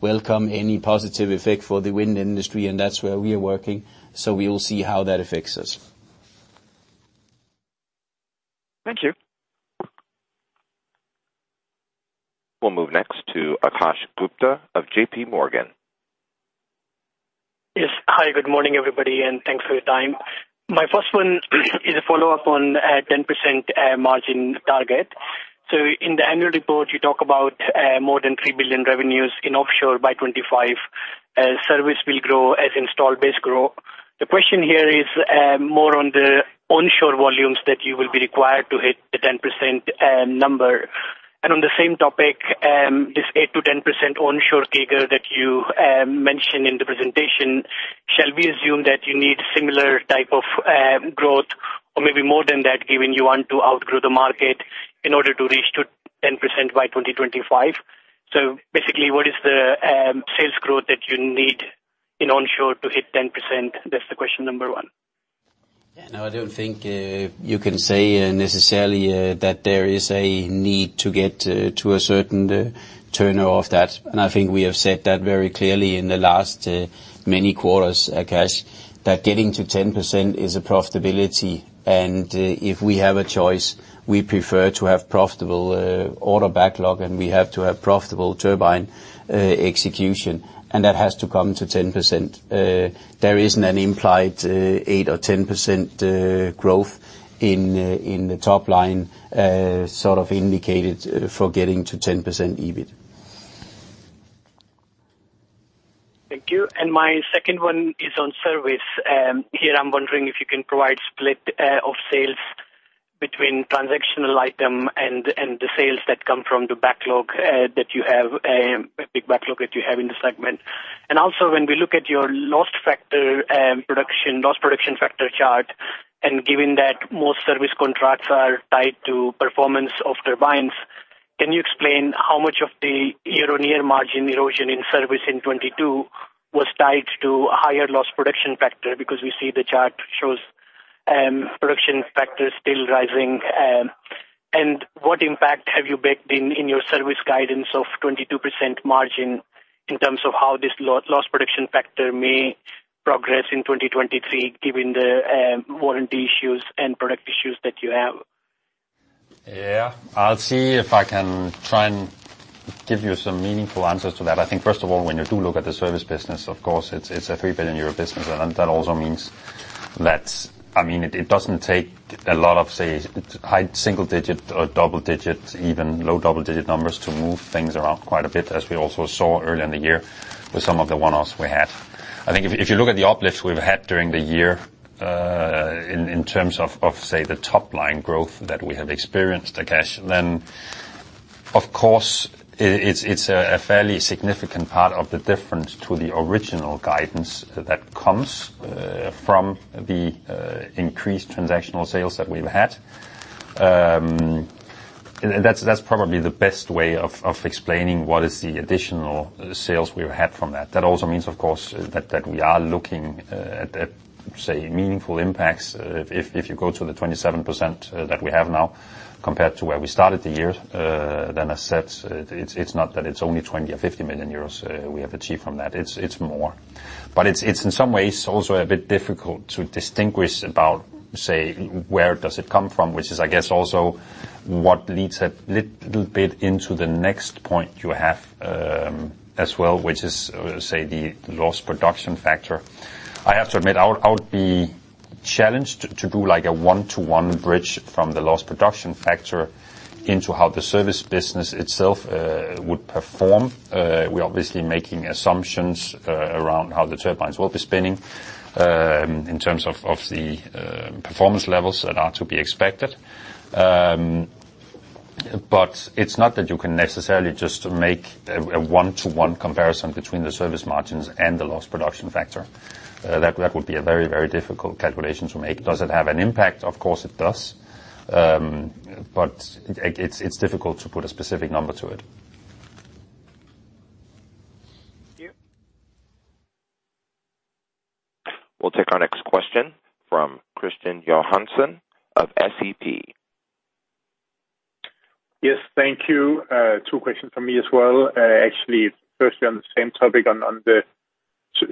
welcome any positive effect for the wind industry, and that's where we are working. We will see how that affects us. Thank you. We'll move next to Akash Gupta of JP Morgan. Yes. Hi, good morning, everybody, and thanks for your time. My first one is a follow-up on 10% margin target. In the annual report, you talk about more than 3 billion revenues in offshore by 2025. Service will grow as installed base grow. The question here is more on the onshore volumes that you will be required to hit the 10% number. On the same topic, this 8%-10% onshore CAGR that you mentioned in the presentation, shall we assume that you need similar type of growth or maybe more than that, given you want to outgrow the market in order to reach to 10% by 2025? Basically, what is the sales growth that you need in onshore to hit 10%? That's the question number one. Yeah. No, I don't think you can say necessarily that there is a need to get to a certain turnover of that. I think we have said that very clearly in the last many quarters, Akash, that getting to 10% is a profitability. If we have a choice, we prefer to have profitable order backlog, and we have to have profitable turbine execution, and that has to come to 10%. There isn't an implied 8% or 10% growth in in the top line sort of indicated for getting to 10% EBIT. Thank you. My second one is on service. Here I'm wondering if you can provide split of sales between transactional item and the sales that come from the backlog that you have, a big backlog that you have in the segment. Also when we look at your lost factor, lost production factor chart, and given that most service contracts are tied to performance of turbines, can you explain how much of the year-on-year margin erosion in service in 2022 was tied to a higher loss production factor? We see the chart shows production factor still rising. What impact have you baked in your service guidance of 22% margin in terms of how this loss production factor may progress in 2023, given the warranty issues and product issues that you have? Yeah. I'll see if I can try and give you some meaningful answers to that. I think first of all, when you do look at the service business, of course, it's a 3 billion euro business. That also means that, I mean, it doesn't take a lot of, say, high single-digit or double-digit, even low double-digit numbers to move things around quite a bit, as we also saw earlier in the year with some of the one-offs we had. I think if you look at the uplifts we've had during the year, in terms of, say, the top line growth that we have experienced, Akash, then of course it's, it's a fairly significant part of the difference to the original guidance that comes from the increased transactional sales that we've had. That's probably the best way of explaining what is the additional sales we've had from that. That also means, of course, that we are looking at, say, meaningful impacts. If you go to the 27% that we have now compared to where we started the year, then as said, it's not that it's only 20 million or 50 million euros we have achieved from that. It's more. It's in some ways also a bit difficult to distinguish about, say, where does it come from, which is I guess also what leads a little bit into the next point you have as well, which is, say, the loss production factor. I have to admit, I would be challenged to do like a one-to-one bridge from the loss production factor into how the service business itself would perform. We're obviously making assumptions around how the turbines will be spinning in terms of the performance levels that are to be expected. But it's not that you can necessarily just make a one-to-one comparison between the service margins and the loss production factor. That would be a very difficult calculation to make. Does it have an impact? Of course, it does. But it's difficult to put a specific number to it. Thank you. We'll take our next question from Kristian Johansen of SEB. Yes. Thank you. Two questions from me as well. Actually, firstly on the same topic on the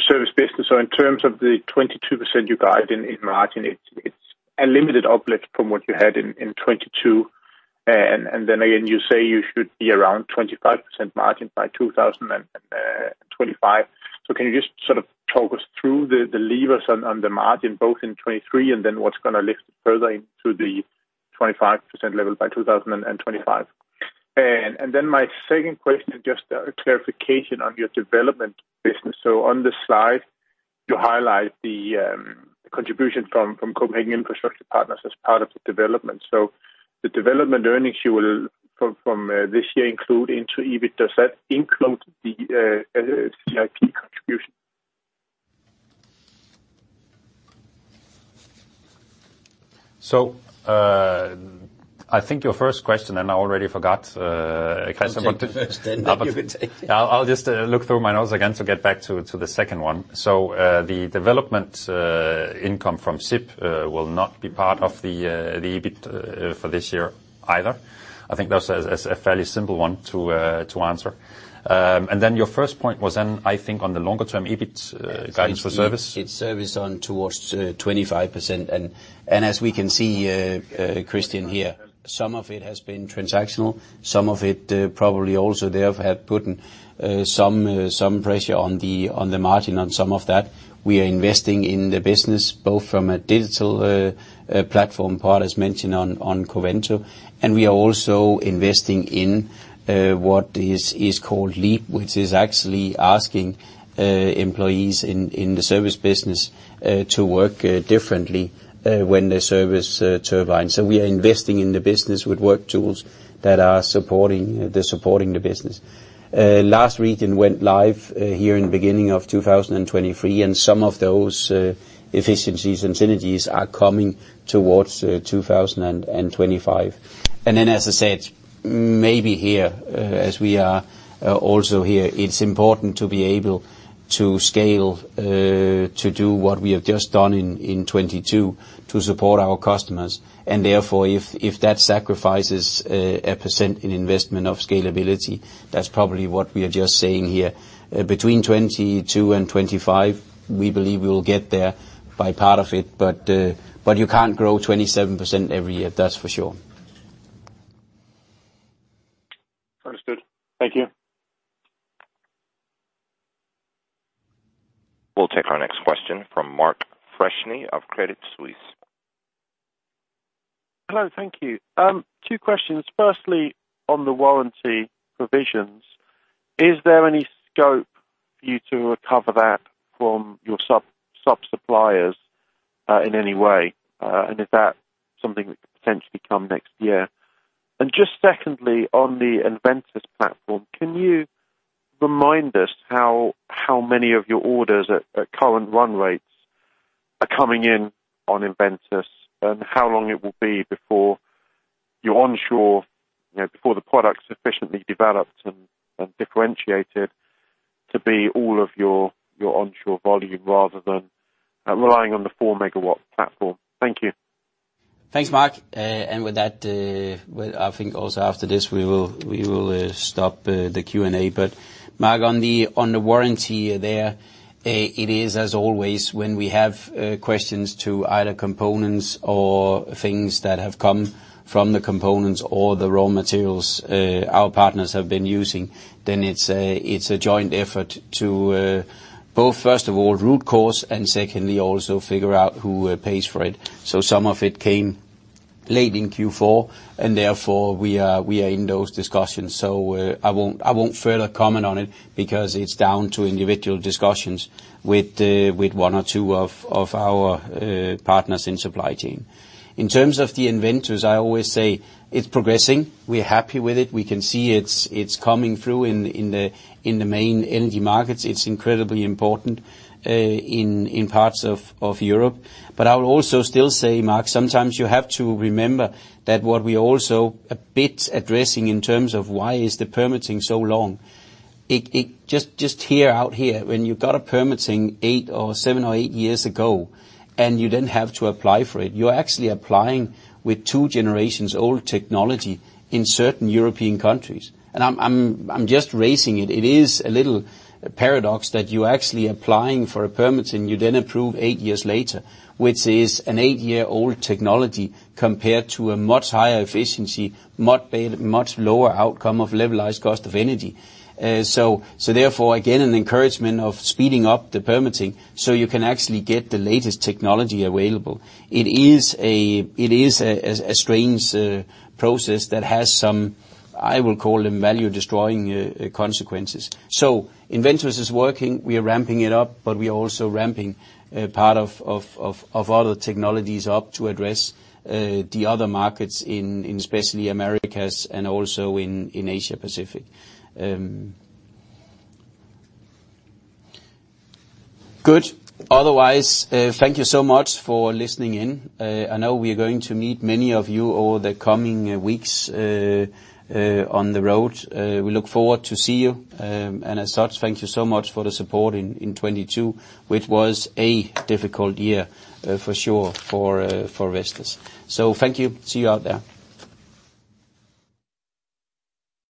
service business. In terms of the 22% you guide in margin, it's a limited uplift from what you had in 2022. Then again, you say you should be around 25% margin by 2025. Can you just sort of talk us through the levers on the margin, both in 2023 and then what's gonna lift further into the 25% level by 2025? Then my second question is just a clarification on your development business. On this slide, you highlight the contribution from Copenhagen Infrastructure Partners as part of the development. The development earnings you will from this year include into EBIT, does that include the CIP contribution? I think your first question, and I already forgot, Kristian. I'll take the first then you can take the second. I'll just look through my notes again to get back to the second one. The development income from CIP will not be part of the EBIT for this year either. I think that's a fairly simple one to answer. Your first point was then, I think on the longer term EBIT guidance for service. It's service on towards 25%. As we can see, Kristian here, some of it has been transactional, some of it probably also they have had putten some pressure on the margin on some of that. We are investing in the business both from a digital platform part, as mentioned on Covento, and we are also investing in what is called LEAP, which is actually asking employees in the service business to work differently when they service turbines. We are investing in the business with work tools that are supporting the business. Last region went live here in the beginning of 2023, and some of those efficiencies and synergies are coming towards 2025. As I said, maybe here, as we are, also here, it's important to be able to scale, to do what we have just done in 2022 to support our customers. Therefore, if that sacrifices a percent in investment of scalability, that's probably what we are just saying here. Between 2022 and 2025, we believe we will get there by part of it, but you can't grow 27% every year, that's for sure. Understood. Thank you. We'll take our next question from Mark Freshney of Credit Suisse. Hello. Thank you. Two questions. Firstly, on the warranty provisions, is there any scope for you to recover that from your sub-sub-suppliers in any way? Is that something that could potentially come next year? Just secondly, on the EnVentus platform, can you remind us how many of your orders at current run rates are coming in on EnVentus, and how long it will be before you onshore, you know, before the product's sufficiently developed and differentiated to be all of your onshore volume rather than relying on the 4 Megawatt platform? Thank you. Thanks, Mark. With that, I think also after this, we will stop the Q&A. Mark, on the warranty there, it is, as always, when we have questions to either components or things that have come from the components or the raw materials our partners have been using, then it's a joint effort to both, first of all, root cause and secondly, also figure out who pays for it. Some of it came late in Q4, and therefore, we are in those discussions. I won't further comment on it because it's down to individual discussions with one or two of our partners in supply chain. In terms of the EnVentus, I always say it's progressing. We're happy with it. We can see it's coming through in the main energy markets. It's incredibly important in parts of Europe. I'll also still say, Mark, sometimes you have to remember that what we're also a bit addressing in terms of why is the permitting so long. Just here, out here, when you got a permitting seven or eight years ago and you didn't have to apply for it, you're actually applying with two generations old technology in certain European countries. I'm just raising it. It is a little paradox that you're actually applying for a permit and you then approve 8 years later, which is an 8-year old technology compared to a much higher efficiency, much better, much lower outcome of levelized cost of energy. Therefore, again, an encouragement of speeding up the permitting so you can actually get the latest technology available. It is a strange process that has some, I will call them, value-destroying consequences. EnVentus is working. We are ramping it up, but we are also ramping part of other technologies up to address the other markets in specially Americas and also in Asia-Pacific. Good. Otherwise, thank you so much for listening in. I know we are going to meet many of you over the coming weeks on the road. We look forward to see you. And as such, thank you so much for the support in 2022, which was a difficult year for sure for Vestas. Thank you. See you out there.